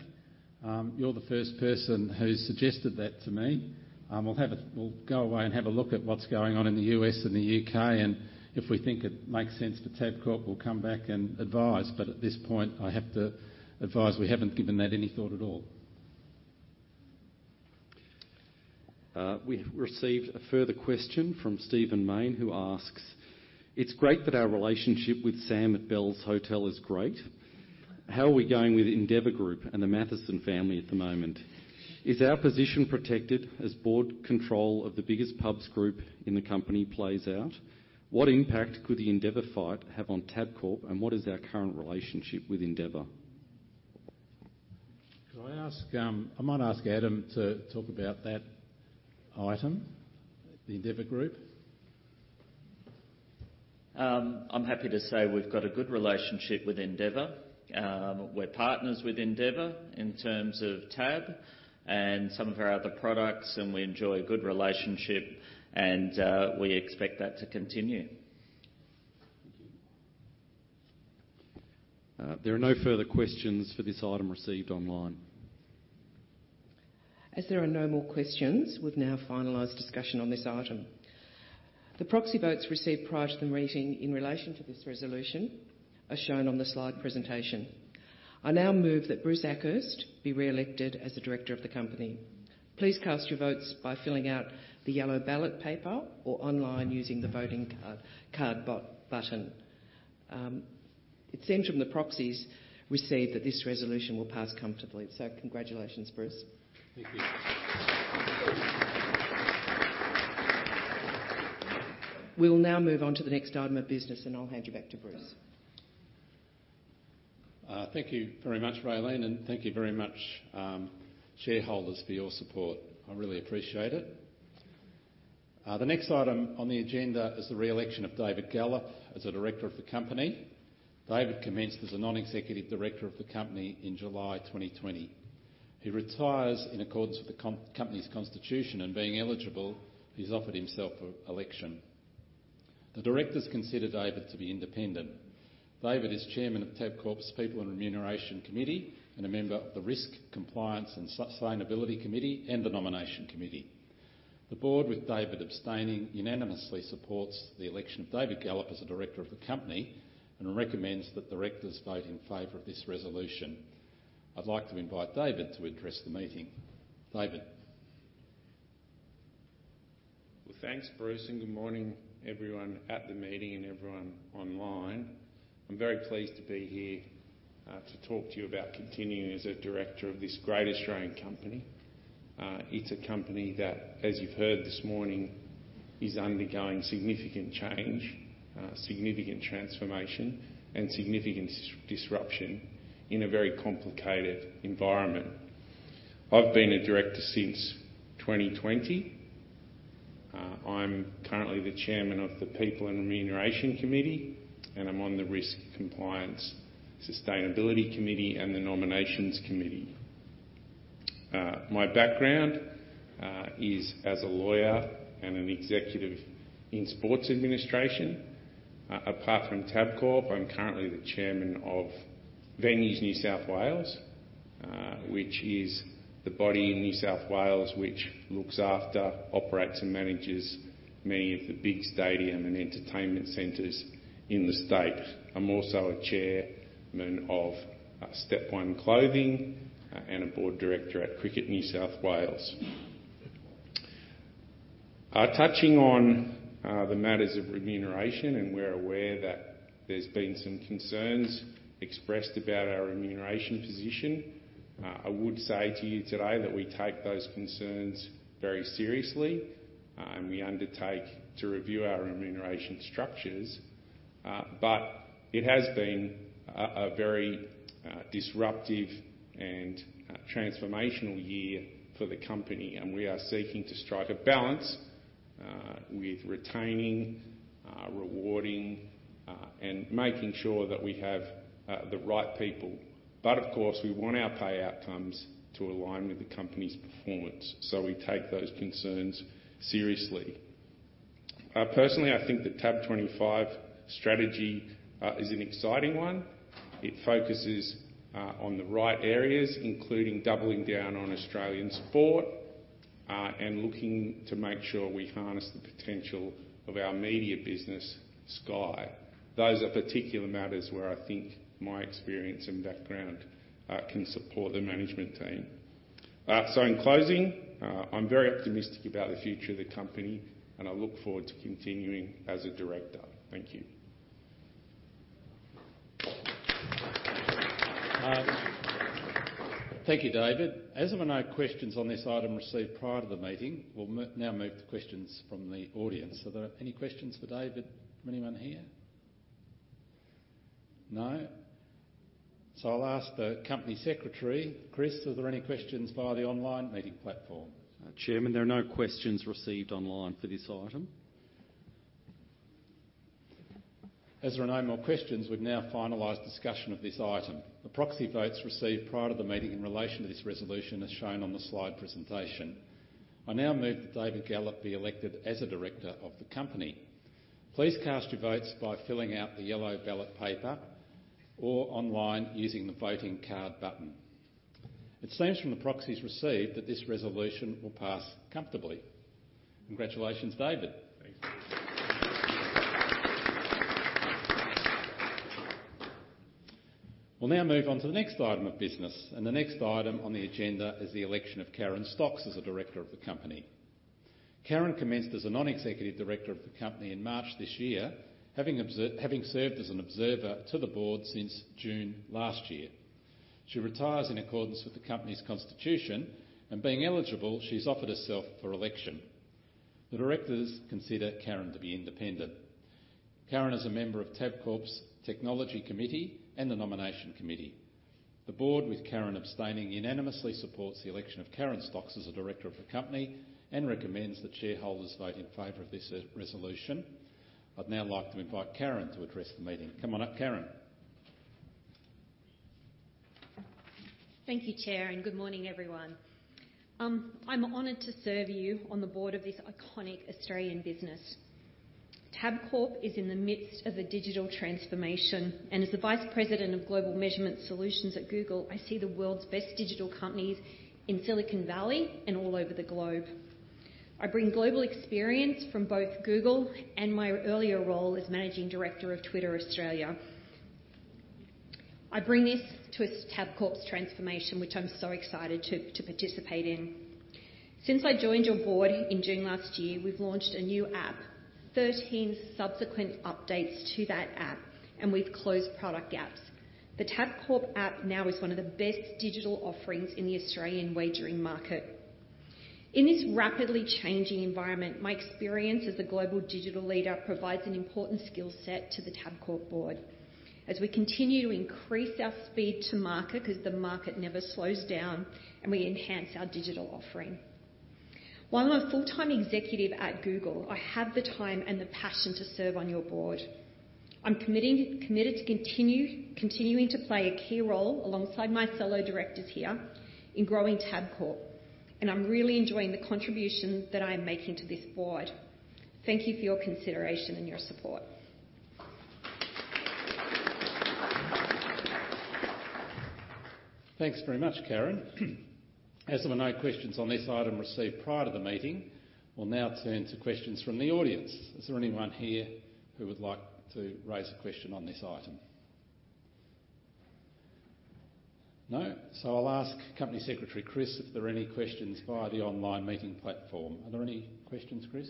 You're the first person who's suggested that to me. We'll go away and have a look at what's going on in the U.S. and the U.K., and if we think it makes sense for Tabcorp, we'll come back and advise. But at this point, I have to advise, we haven't given that any thought at all. We have received a further question from Steven Main, who asks: "It's great that our relationship with Sam at Bell Hotel is great. How are we going with Endeavour Group and the Mathieson family at the moment? Is our position protected as board control of the biggest pubs group in the company plays out? What impact could the Endeavour fight have on Tabcorp, and what is our current relationship with Endeavour? Could I ask, I might ask Adam to talk about that item, the Endeavour Group. I'm happy to say we've got a good relationship with Endeavour. We're partners with Endeavour in terms of TAB and some of our other products, and we enjoy a good relationship, and we expect that to continue. There are no further questions for this item received online. As there are no more questions, we've now finalized discussion on this item. The proxy votes received prior to the meeting in relation to this resolution are shown on the slide presentation. I now move that Bruce Akhurst be re-elected as a director of the company. Please cast your votes by filling out the yellow ballot paper or online using the voting card button. It seems from the proxies received that this resolution will pass comfortably. So congratulations, Bruce. Thank you. We'll now move on to the next item of business, and I'll hand you back to Bruce. Thank you very much, Raelene, and thank you very much, shareholders, for your support. I really appreciate it. The next item on the agenda is the re-election of David Gallop as a director of the company. David commenced as a non-executive director of the company in July 2020. He retires in accordance with the company's constitution, and being eligible, he's offered himself for election. The directors consider David to be independent. David is Chairman of Tabcorp's People and Remuneration Committee and a member of the Risk, Compliance, and Sustainability Committee and the Nomination Committee. The board, with David abstaining, unanimously supports the election of David Gallop as a director of the company and recommends that directors vote in favor of this resolution. I'd like to invite David to address the meeting. David? Well, thanks, Bruce, and good morning everyone at the meeting and everyone online. I'm very pleased to be here to talk to you about continuing as a Director of this great Australian company. It's a company that, as you've heard this morning, is undergoing significant change, significant transformation, and significant disruption in a very complicated environment. I've been a director since 2020. I'm currently the Chairman of the People and Remuneration Committee, and I'm on the Risk, Compliance, Sustainability Committee and the Nominations Committee. My background is as a lawyer and an executive in sports administration. Apart from Tabcorp, I'm currently the Chairman of Venues New South Wales, which is the body in New South Wales which looks after, operates, and manages many of the big stadium and entertainment centers in the state. I'm also a chairman of Step One Clothing and a board director at Cricket New South Wales. Touching on the matters of remuneration, and we're aware that there's been some concerns expressed about our remuneration position. I would say to you today that we take those concerns very seriously, and we undertake to review our remuneration structures. But it has been a very disruptive and transformational year for the company, and we are seeking to strike a balance with retaining, rewarding, and making sure that we have the right people. But of course, we want our pay outcomes to align with the company's performance, so we take those concerns seriously. Personally, I think TAB25 strategy is an exciting one. It focuses on the right areas, including doubling down on Australian sport, and looking to make sure we harness the potential of our media business, Sky. Those are particular matters where I think my experience and background can support the management team. So in closing, I'm very optimistic about the future of the company, and I look forward to continuing as a director. Thank you. Thank you, David. As there were no questions on this item received prior to the meeting, we'll now move to questions from the audience. Are there any questions for David from anyone here? No? So I'll ask the Company Secretary. Chris, are there any questions via the online meeting platform? Chairman, there are no questions received online for this item. As there are no more questions, we've now finalized discussion of this item. The proxy votes received prior to the meeting in relation to this resolution, as shown on the slide presentation. I now move that David Gallop be elected as a director of the company. Please cast your votes by filling out the yellow ballot paper or online using the voting card button. It seems from the proxies received that this resolution will pass comfortably. Congratulations, David. Thanks. We'll now move on to the next item of business, and the next item on the agenda is the election of Karen Stocks as a director of the company. Karen commenced as a non-executive director of the company in March this year, having served as an observer to the board since June last year. She retires in accordance with the company's constitution, and being eligible, she's offered herself for election. The directors consider Karen to be independent. Karen is a member of Tabcorp's Technology Committee and the Nomination Committee. The board, with Karen abstaining, unanimously supports the election of Karen Stocks as a director of the company and recommends that shareholders vote in favor of this resolution. I'd now like to invite Karen to address the meeting. Come on up, Karen. Thank you, Chair, and good morning, everyone. I'm honored to serve you on the board of this iconic Australian business. Tabcorp is in the midst of a digital transformation, and as the Vice President of Global Measurement Solutions at Google, I see the world's best digital companies in Silicon Valley and all over the globe. I bring global experience from both Google and my earlier role as Managing Director of Twitter Australia. I bring this to Tabcorp's transformation, which I'm so excited to participate in. Since I joined your board in June last year, we've launched a new app, 13 subsequent updates to that app, and we've closed product gaps. The Tabcorp app now is one of the best digital offerings in the Australian wagering market. In this rapidly changing environment, my experience as a global digital leader provides an important skill set to the Tabcorp board as we continue to increase our speed to market, because the market never slows down, and we enhance our digital offering. While I'm a full-time executive at Google, I have the time and the passion to serve on your board. I'm committed to continuing to play a key role alongside my fellow directors here in growing Tabcorp, and I'm really enjoying the contribution that I am making to this board. Thank you for your consideration and your support. Thanks very much, Karen. As there were no questions on this item received prior to the meeting, we'll now turn to questions from the audience. Is there anyone here who would like to raise a question on this item? No? So I'll ask Company Secretary, Chris, if there are any questions via the online meeting platform. Are there any questions, Chris?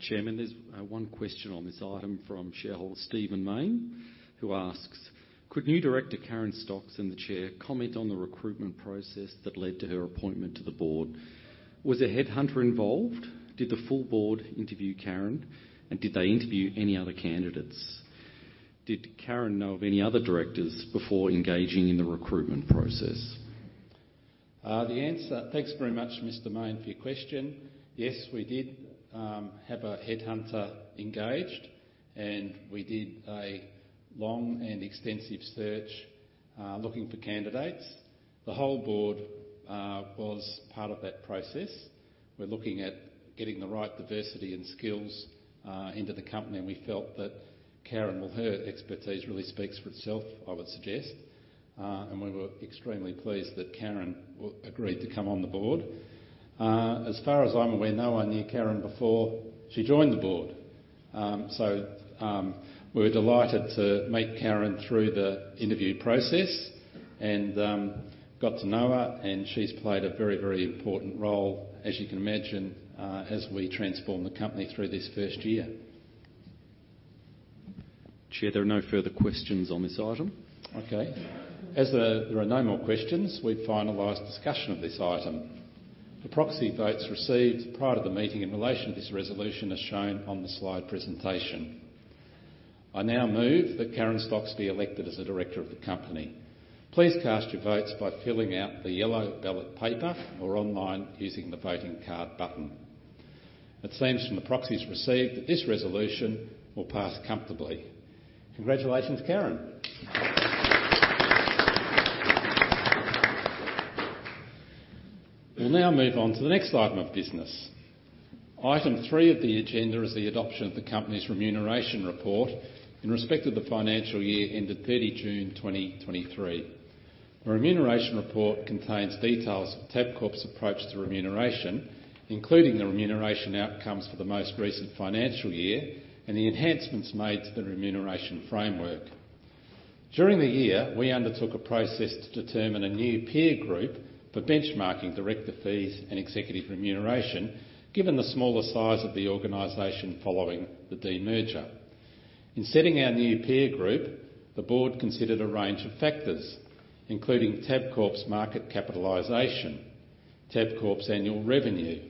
Chairman, there's one question on this item from shareholder Steven Main, who asks: "Could new director, Karen Stocks, and the Chair, comment on the recruitment process that led to her appointment to the board? Was a headhunter involved? Did the full board interview Karen, and did they interview any other candidates? Did Karen know of any other directors before engaging in the recruitment process? The answer... Thanks very much, Mr. Main, for your question. Yes, we did have a headhunter engaged, and we did a long and extensive search looking for candidates. The whole board was part of that process. We're looking at getting the right diversity and skills into the company, and we felt that Karen, well, her expertise really speaks for itself, I would suggest. And we were extremely pleased that Karen agreed to come on the board. As far as I'm aware, no one knew Karen before she joined the board. So, we were delighted to meet Karen through the interview process and got to know her, and she's played a very, very important role, as you can imagine, as we transform the company through this first year. Chair, there are no further questions on this item. Okay. As there are no more questions, we've finalized discussion of this item. The proxy votes received prior to the meeting in relation to this resolution, as shown on the slide presentation. I now move that Karen Stocks be elected as a director of the company. Please cast your votes by filling out the yellow ballot paper or online using the voting card button. It seems from the proxies received that this resolution will pass comfortably. Congratulations, Karen. We'll now move on to the next item of business. Item three of the agenda is the adoption of the company's remuneration report in respect of the financial year ended 30 June 2023. The remuneration report contains details of Tabcorp's approach to remuneration, including the remuneration outcomes for the most recent financial year and the enhancements made to the remuneration framework. During the year, we undertook a process to determine a new peer group for benchmarking director fees and executive remuneration, given the smaller size of the organization following the demerger. In setting our new peer group, the board considered a range of factors, including Tabcorp's market capitalization, Tabcorp's annual revenue,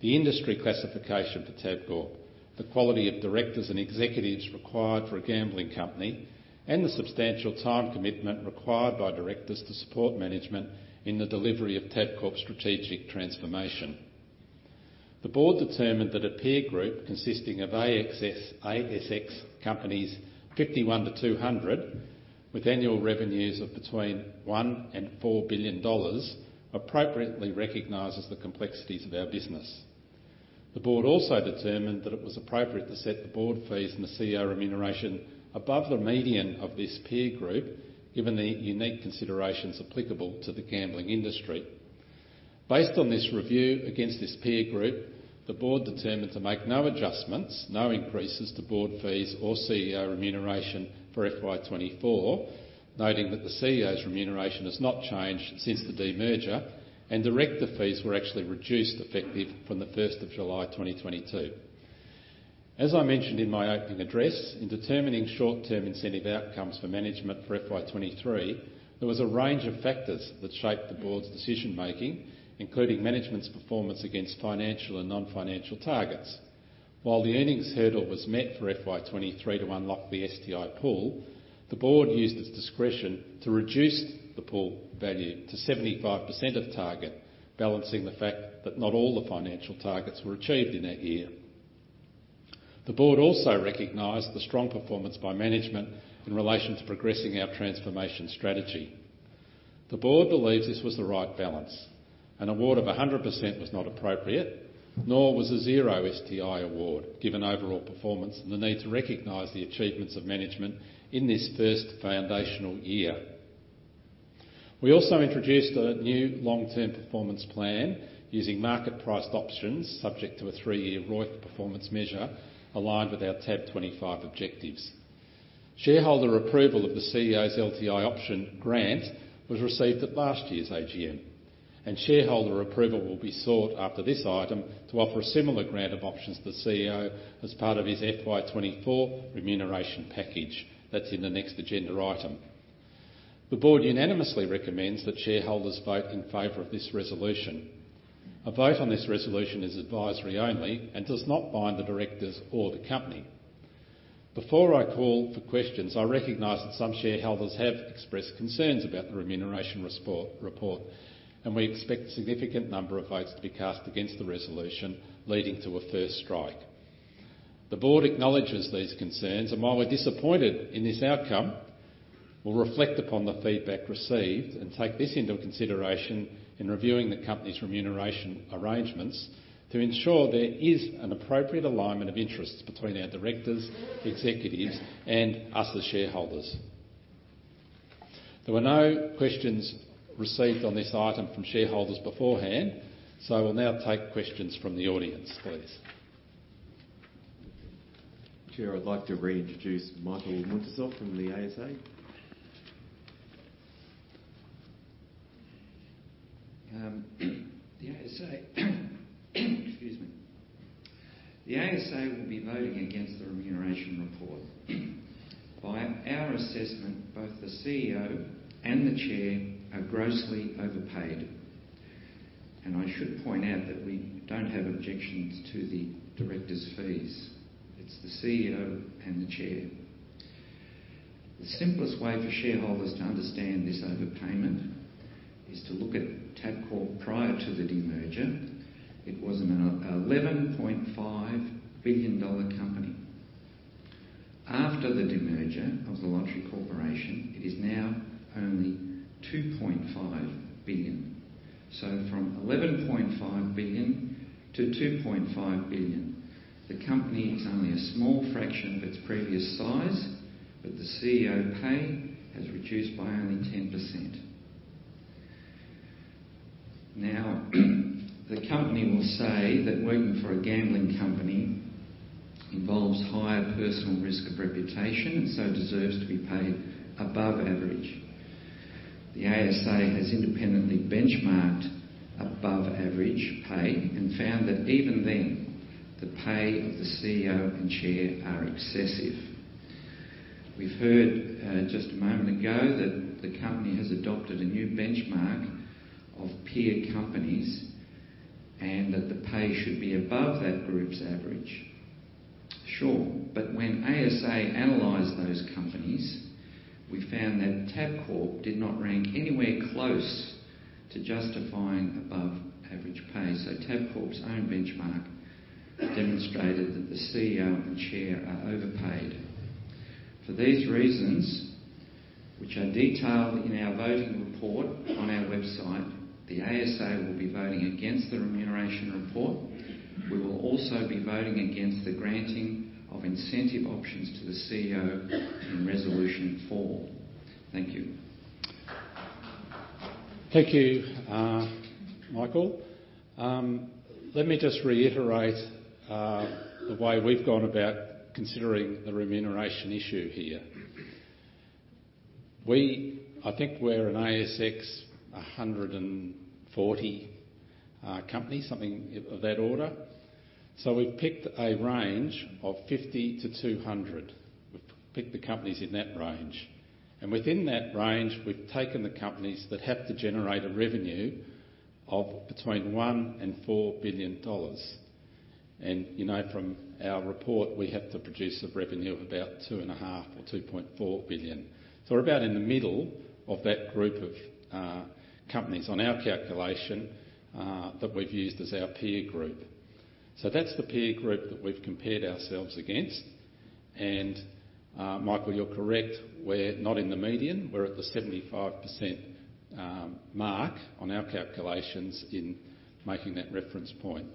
the industry classification for Tabcorp, the quality of directors and executives required for a gambling company, and the substantial time commitment required by directors to support management in the delivery of Tabcorp's strategic transformation. The board determined that a peer group consisting of ASX companies, 51-200, with annual revenues of between 1 billion and 4 billion dollars, appropriately recognizes the complexities of our business. The board also determined that it was appropriate to set the board fees and the CEO remuneration above the median of this peer group, given the unique considerations applicable to the gambling industry. Based on this review against this peer group, the board determined to make no adjustments, no increases to board fees or CEO remuneration for FY 2024, noting that the CEO's remuneration has not changed since the demerger, and director fees were actually reduced, effective from 1st July, 2022. As I mentioned in my opening address, in determining short-term incentive outcomes for management for FY 2023, there was a range of factors that shaped the board's decision-making, including management's performance against financial and non-financial targets. While the earnings hurdle was met for FY 2023 to unlock the STI pool, the board used its discretion to reduce the pool value to 75% of target, balancing the fact that not all the financial targets were achieved in that year. The board also recognized the strong performance by management in relation to progressing our transformation strategy. The board believes this was the right balance. An award of 100% was not appropriate, nor was a zero STI award, given overall performance and the need to recognize the achievements of management in this first foundational year. We also introduced a new long-term performance plan using market-priced options, subject to a three-year ROIC performance measure aligned with our TAB25 objectives. Shareholder approval of the CEO's LTI option grant was received at last year's AGM, and shareholder approval will be sought after this item to offer a similar grant of options to the CEO as part of his FY 2024 remuneration package. That's in the next agenda item. The board unanimously recommends that shareholders vote in favor of this resolution. A vote on this resolution is advisory only and does not bind the directors or the company. Before I call for questions, I recognize that some shareholders have expressed concerns about the remuneration report, and we expect a significant number of votes to be cast against the resolution, leading to a first strike. The board acknowledges these concerns, and while we're disappointed in this outcome, we'll reflect upon the feedback received and take this into consideration in reviewing the company's remuneration arrangements to ensure there is an appropriate alignment of interests between our directors, executives, and us as shareholders. There were no questions received on this item from shareholders beforehand, so I will now take questions from the audience, please. Chair, I'd like to reintroduce Mike Muntisov from the ASA. The ASA, excuse me. The ASA will be voting against the remuneration report. By our assessment, both the CEO and the chair are grossly overpaid. And I should point out that we don't have objections to the directors' fees, it's the CEO and the chair. The simplest way for shareholders to understand this overpayment is to look at Tabcorp prior to the demerger. It was an 11.5 billion dollar company. After the demerger of the Lottery Corporation, it is now only 2.5 billion. So from 11.5 billion to 2.5 billion, the company is only a small fraction of its previous size, but the CEO pay has reduced by only 10%. Now, the company will say that working for a gambling company involves higher personal risk of reputation, and so deserves to be paid above average. The ASA has independently benchmarked above average pay and found that even then, the pay of the CEO and chair are excessive. We've heard just a moment ago, that the company has adopted a new benchmark of peer companies, and that the pay should be above that group's average. Sure, but when ASA analyzed those companies, we found that Tabcorp did not rank anywhere close to justifying above average pay. So Tabcorp's own benchmark demonstrated that the CEO and chair are overpaid. For these reasons—which are detailed in our voting report on our website. The ASA will be voting against the remuneration report. We will also be voting against the granting of incentive options to the CEO in Resolution 4. Thank you. Thank you, Michael. Let me just reiterate the way we've gone about considering the remuneration issue here. I think we're an ASX 140 company, something of that order. So we've picked a range of 50-200. We've picked the companies in that range, and within that range, we've taken the companies that have to generate a revenue of between 1 billion and 4 billion dollars. And you know, from our report, we have to produce a revenue of about 2.5 billion or 2.4 billion. So we're about in the middle of that group of companies on our calculation that we've used as our peer group. So that's the peer group that we've compared ourselves against. And, Michael, you're correct, we're not in the median. We're at the 75% mark on our calculations in making that reference point.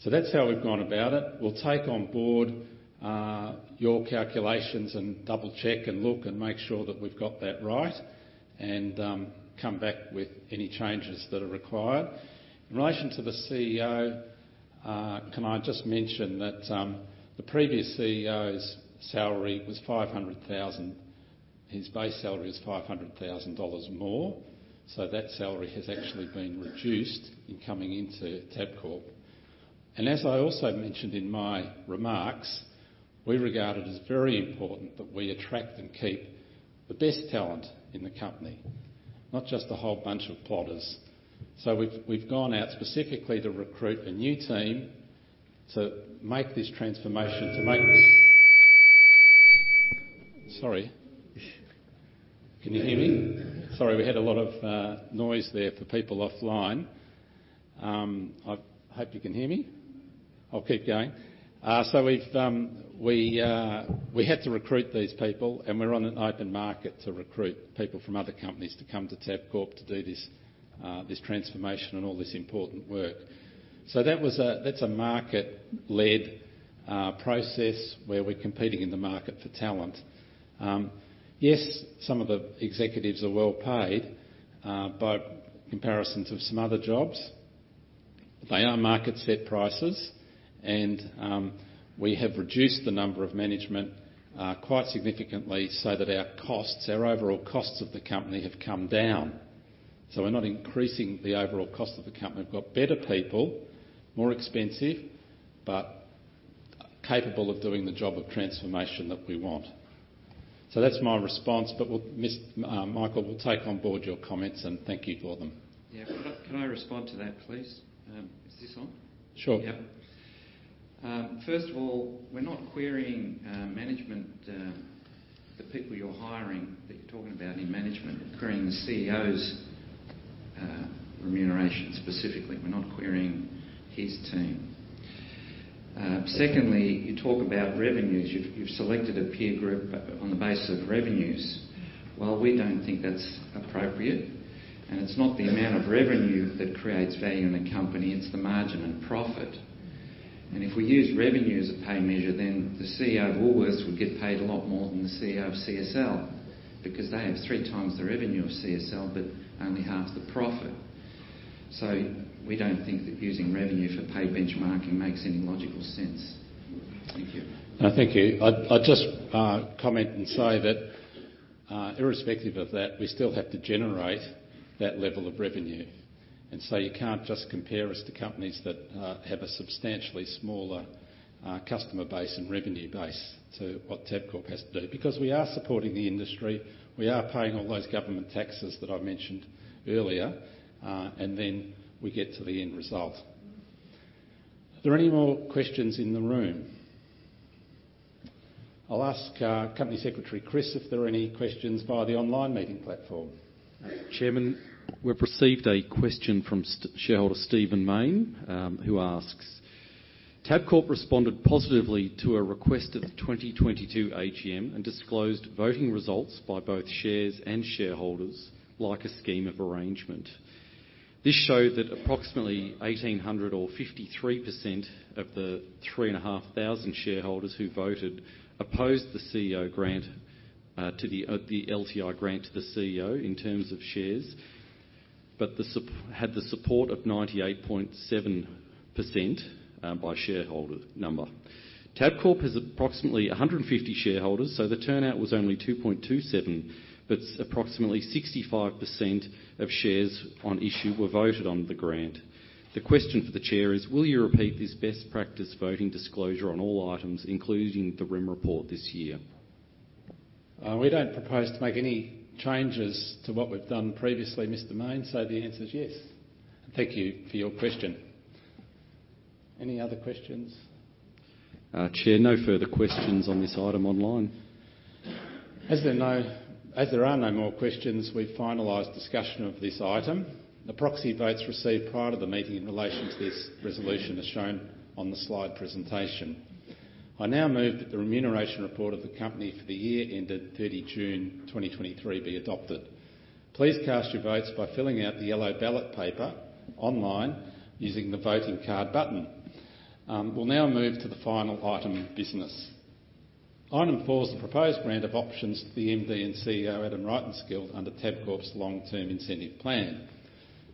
So that's how we've gone about it. We'll take on board your calculations and double-check and look, and make sure that we've got that right, and come back with any changes that are required. In relation to the CEO, can I just mention that the previous CEO's salary was 500,000. His base salary is 500,000 dollars more, so that salary has actually been reduced in coming into Tabcorp. And as I also mentioned in my remarks, we regard it as very important that we attract and keep the best talent in the company, not just a whole bunch of potters. So we've gone out specifically to recruit a new team to make this transformation, to make this—Sorry. Can you hear me? Sorry, we had a lot of noise there for people offline. I hope you can hear me. I'll keep going. So we've had to recruit these people, and we're on an open market to recruit people from other companies to come to Tabcorp to do this transformation and all this important work. So that's a market-led process, where we're competing in the market for talent. Yes, some of the executives are well paid by comparisons of some other jobs. They are market-set prices, and we have reduced the number of management quite significantly, so that our costs, our overall costs of the company, have come down. So we're not increasing the overall cost of the company. We've got better people, more expensive, but capable of doing the job of transformation that we want. So that's my response, but we'll... Ms. Michael, we'll take on board your comments, and thank you for them. Yeah. Can I, can I respond to that, please? Is this on? Sure. Yeah. First of all, we're not querying management, the people you're hiring, that you're talking about in management. We're querying the CEO's remuneration, specifically. We're not querying his team. Secondly, you talk about revenues. You've selected a peer group on the basis of revenues. Well, we don't think that's appropriate, and it's not the amount of revenue that creates value in a company, it's the margin and profit. And if we use revenue as a pay measure, then the CEO of Woolworths would get paid a lot more than the CEO of CSL, because they have three times the revenue of CSL, but only half the profit. So we don't think that using revenue for pay benchmarking makes any logical sense. Thank you. No, thank you. I'd just comment and say that, irrespective of that, we still have to generate that level of revenue, and so you can't just compare us to companies that have a substantially smaller customer base and revenue base to what Tabcorp has to do. Because we are supporting the industry, we are paying all those government taxes that I mentioned earlier, and then we get to the end result. Are there any more questions in the room? I'll ask Company Secretary Chris if there are any questions via the online meeting platform. Chairman, we've received a question from shareholder Steven Main, who asks: Tabcorp responded positively to a request at the 2022 AGM and disclosed voting results by both shares and shareholders, like a scheme of arrangement. This showed that approximately 1,800 shareholders or 53% of the 3,500 shareholders who voted opposed the LTI grant to the CEO in terms of shares, but it had the support of 98.7% by shareholder number. Tabcorp has approximately 150 shareholders, so the turnout was only 2.27%, but approximately 65% of shares on issue were voted on the grant. The question for the chair is: Will you repeat this best practice voting disclosure on all items, including the RIM report this year? We don't propose to make any changes to what we've done previously, Mr. Main, so the answer is yes. Thank you for your question. Any other questions? Chair, no further questions on this item online. As there are no more questions, we've finalized discussion of this item. The proxy votes received prior to the meeting in relation to this resolution is shown on the slide presentation. I now move that the remuneration report of the company for the year ended 30 June 2023, be adopted. Please cast your votes by filling out the yellow ballot paper online using the voting card button. We'll now move to the final item of business. Item four is the proposed grant of options to the MD and CEO, Adam Rytenskild under Tabcorp's Long-Term Incentive Plan.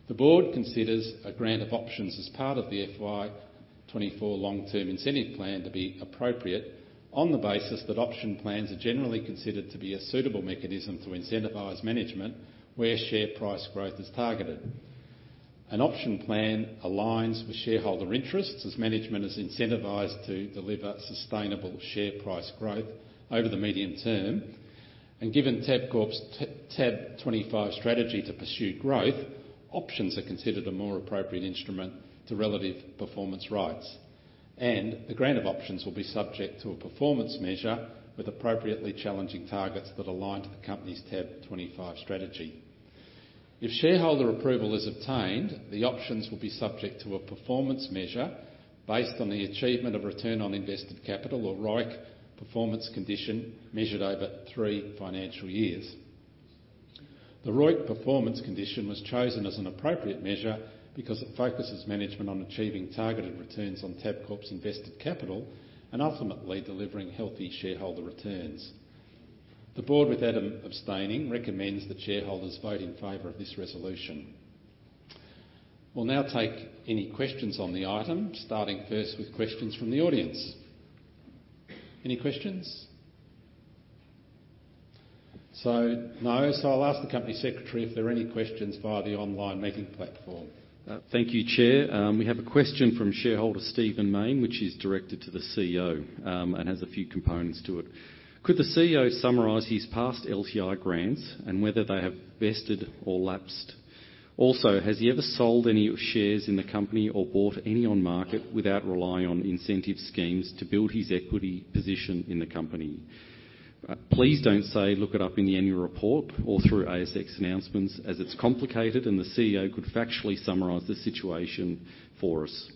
The board considers a grant of options as part of the FY 2024 long-term incentive plan to be appropriate on the basis that option plans are generally considered to be a suitable mechanism to incentivize management where share price growth is targeted. An option plan aligns with shareholder interests as management is incentivized to deliver sustainable share price growth over the medium term, and given Tabcorp's TAB25 strategy to pursue growth, options are considered a more appropriate instrument to relative performance rights. The grant of options will be subject to a performance measure with appropriately challenging targets that align to the company's TAB25 strategy. If shareholder approval is obtained, the options will be subject to a performance measure based on the achievement of return on invested capital, or ROIC, performance condition measured over three financial years. The ROIC performance condition was chosen as an appropriate measure because it focuses management on achieving targeted returns on Tabcorp's invested capital and ultimately delivering healthy shareholder returns. The board, with Adam abstaining, recommends that shareholders vote in favor of this resolution. We'll now take any questions on the item, starting first with questions from the audience. Any questions? So, no. So I'll ask the Company Secretary if there are any questions via the online meeting platform. Thank you, Chair. We have a question from shareholder Steven Main, which is directed to the CEO, and has a few components to it. Could the CEO summarize his past LTI grants and whether they have vested or lapsed? Also, has he ever sold any shares in the company or bought any on market without relying on incentive schemes to build his equity position in the company? Please don't say, "Look it up in the annual report or through ASX announcements," as it's complicated and the CEO could factually summarize the situation for us.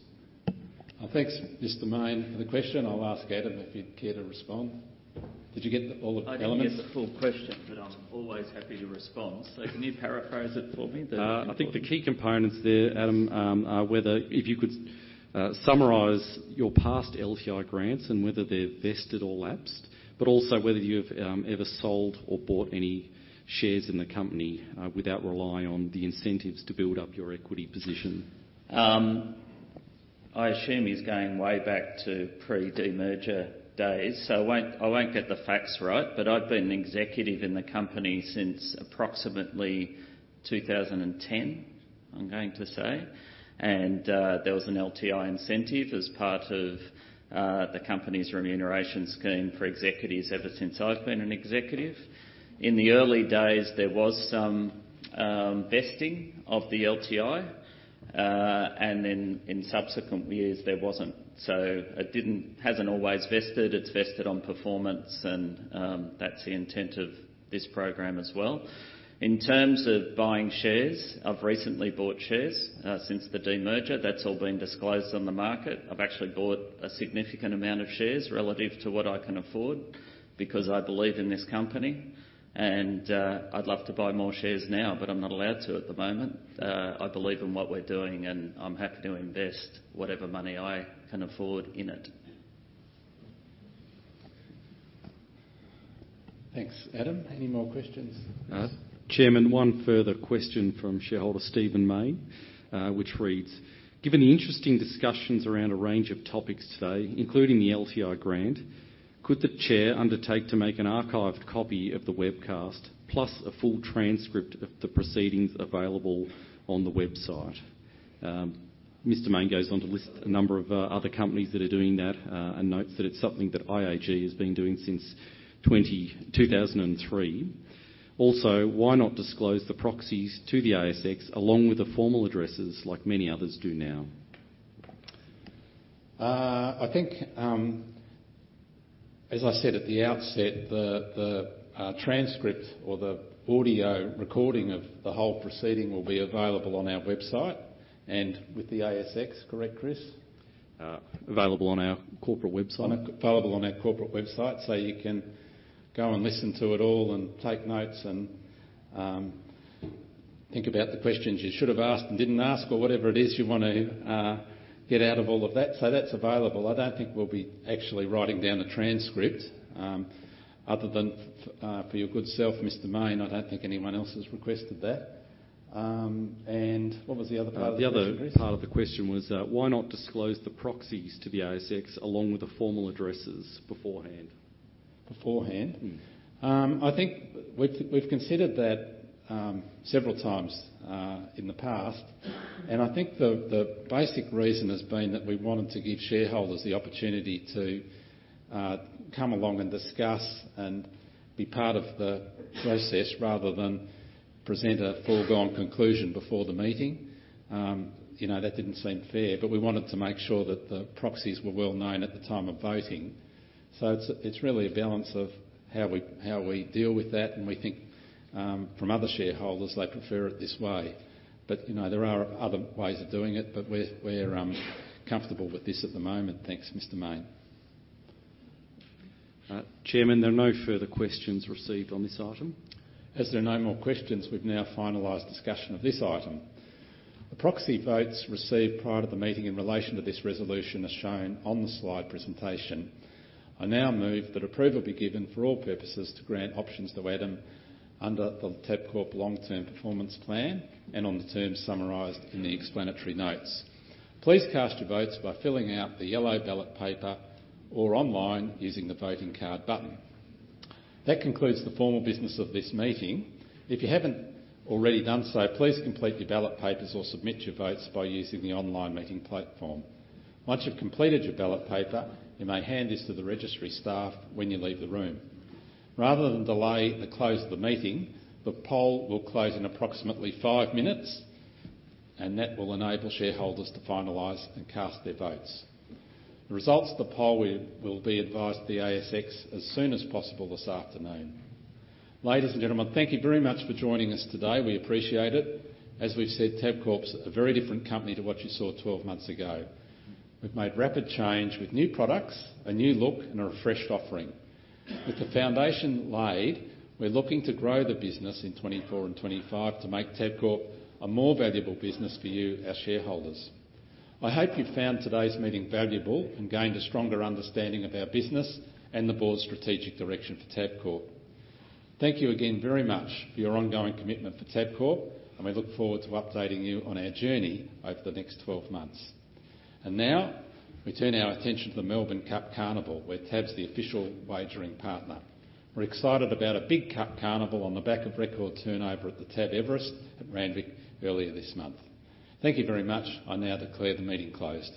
Thanks, Mr. Main, for the question. I'll ask Adam if he'd care to respond. Did you get all the elements? I didn't get the full question, but I'm always happy to respond. So can you paraphrase it for me, the- I think the key components there, Adam, are whether... if you could summarize your past LTI grants and whether they're vested or lapsed, but also whether you've ever sold or bought any shares in the company without relying on the incentives to build up your equity position. I assume he's going way back to pre-demerger days, so I won't, I won't get the facts right. But I've been an executive in the company since approximately 2010, I'm going to say. And there was an LTI incentive as part of the company's remuneration scheme for executives ever since I've been an executive. In the early days, there was some vesting of the LTI, and then in subsequent years, there wasn't. So it didn't-- hasn't always vested. It's vested on performance and that's the intent of this program as well. In terms of buying shares, I've recently bought shares since the demerger. That's all been disclosed on the market. I've actually bought a significant amount of shares relative to what I can afford because I believe in this company and, I'd love to buy more shares now, but I'm not allowed to at the moment. I believe in what we're doing, and I'm happy to invest whatever money I can afford in it. Thanks, Adam. Any more questions? Chairman, one further question from shareholder Steven Main, which reads: Given the interesting discussions around a range of topics today, including the LTI grant, could the Chair undertake to make an archived copy of the webcast, plus a full transcript of the proceedings available on the website? Mr. Main goes on to list a number of other companies that are doing that, and notes that it's something that IAG has been doing since 2003. Also, why not disclose the proxies to the ASX, along with the formal addresses, like many others do now? I think, as I said at the outset, the transcript or the audio recording of the whole proceeding will be available on our website and with the ASX. Correct, Chris? Available on our corporate website. Available on our corporate website. So you can go and listen to it all and take notes and think about the questions you should have asked and didn't ask, or whatever it is you want to get out of all of that. So that's available. I don't think we'll be actually writing down a transcript, other than for your good self, Mr. Main. I don't think anyone else has requested that. And what was the other part of the question, please? The other part of the question was: Why not disclose the proxies to the ASX, along with the formal addresses beforehand? Beforehand? I think we've, we've considered that, several times, in the past, and I think the, the basic reason has been that we wanted to give shareholders the opportunity to, come along and discuss and be part of the process, rather than present a foregone conclusion before the meeting. You know, that didn't seem fair, but we wanted to make sure that the proxies were well known at the time of voting. So it's, it's really a balance of how we, how we deal with that, and we think, from other shareholders, they prefer it this way. But, you know, there are other ways of doing it, but we're, we're, comfortable with this at the moment. Thanks, Mr. Main. Chairman, there are no further questions received on this item. As there are no more questions, we've now finalized discussion of this item. The proxy votes received prior to the meeting in relation to this resolution are shown on the slide presentation. I now move that approval be given for all purposes to grant options to Adam under the Tabcorp long-term performance plan and on the terms summarized in the explanatory notes. Please cast your votes by filling out the yellow ballot paper or online using the voting card button. That concludes the formal business of this meeting. If you haven't already done so, please complete your ballot papers or submit your votes by using the online meeting platform. Once you've completed your ballot paper, you may hand this to the registry staff when you leave the room. Rather than delay the close of the meeting, the poll will close in approximately five minutes, and that will enable shareholders to finalize and cast their votes. The results of the poll will be advised to the ASX as soon as possible this afternoon. Ladies and gentlemen, thank you very much for joining us today. We appreciate it. As we've said, Tabcorp's a very different company to what you saw 12 months ago. We've made rapid change with new products, a new look, and a refreshed offering. With the foundation laid, we're looking to grow the business in 2024 and 2025 to make Tabcorp a more valuable business for you, our shareholders. I hope you found today's meeting valuable and gained a stronger understanding of our business and the board's strategic direction for Tabcorp. Thank you again very much for your ongoing commitment to Tabcorp, and we look forward to updating you on our journey over the next twelve months. And now, we turn our attention to the Melbourne Cup Carnival, where TAB's the official wagering partner. We're excited about a big Cup carnival on the back of record turnover at the TAB Everest at Randwick earlier this month. Thank you very much. I now declare the meeting closed.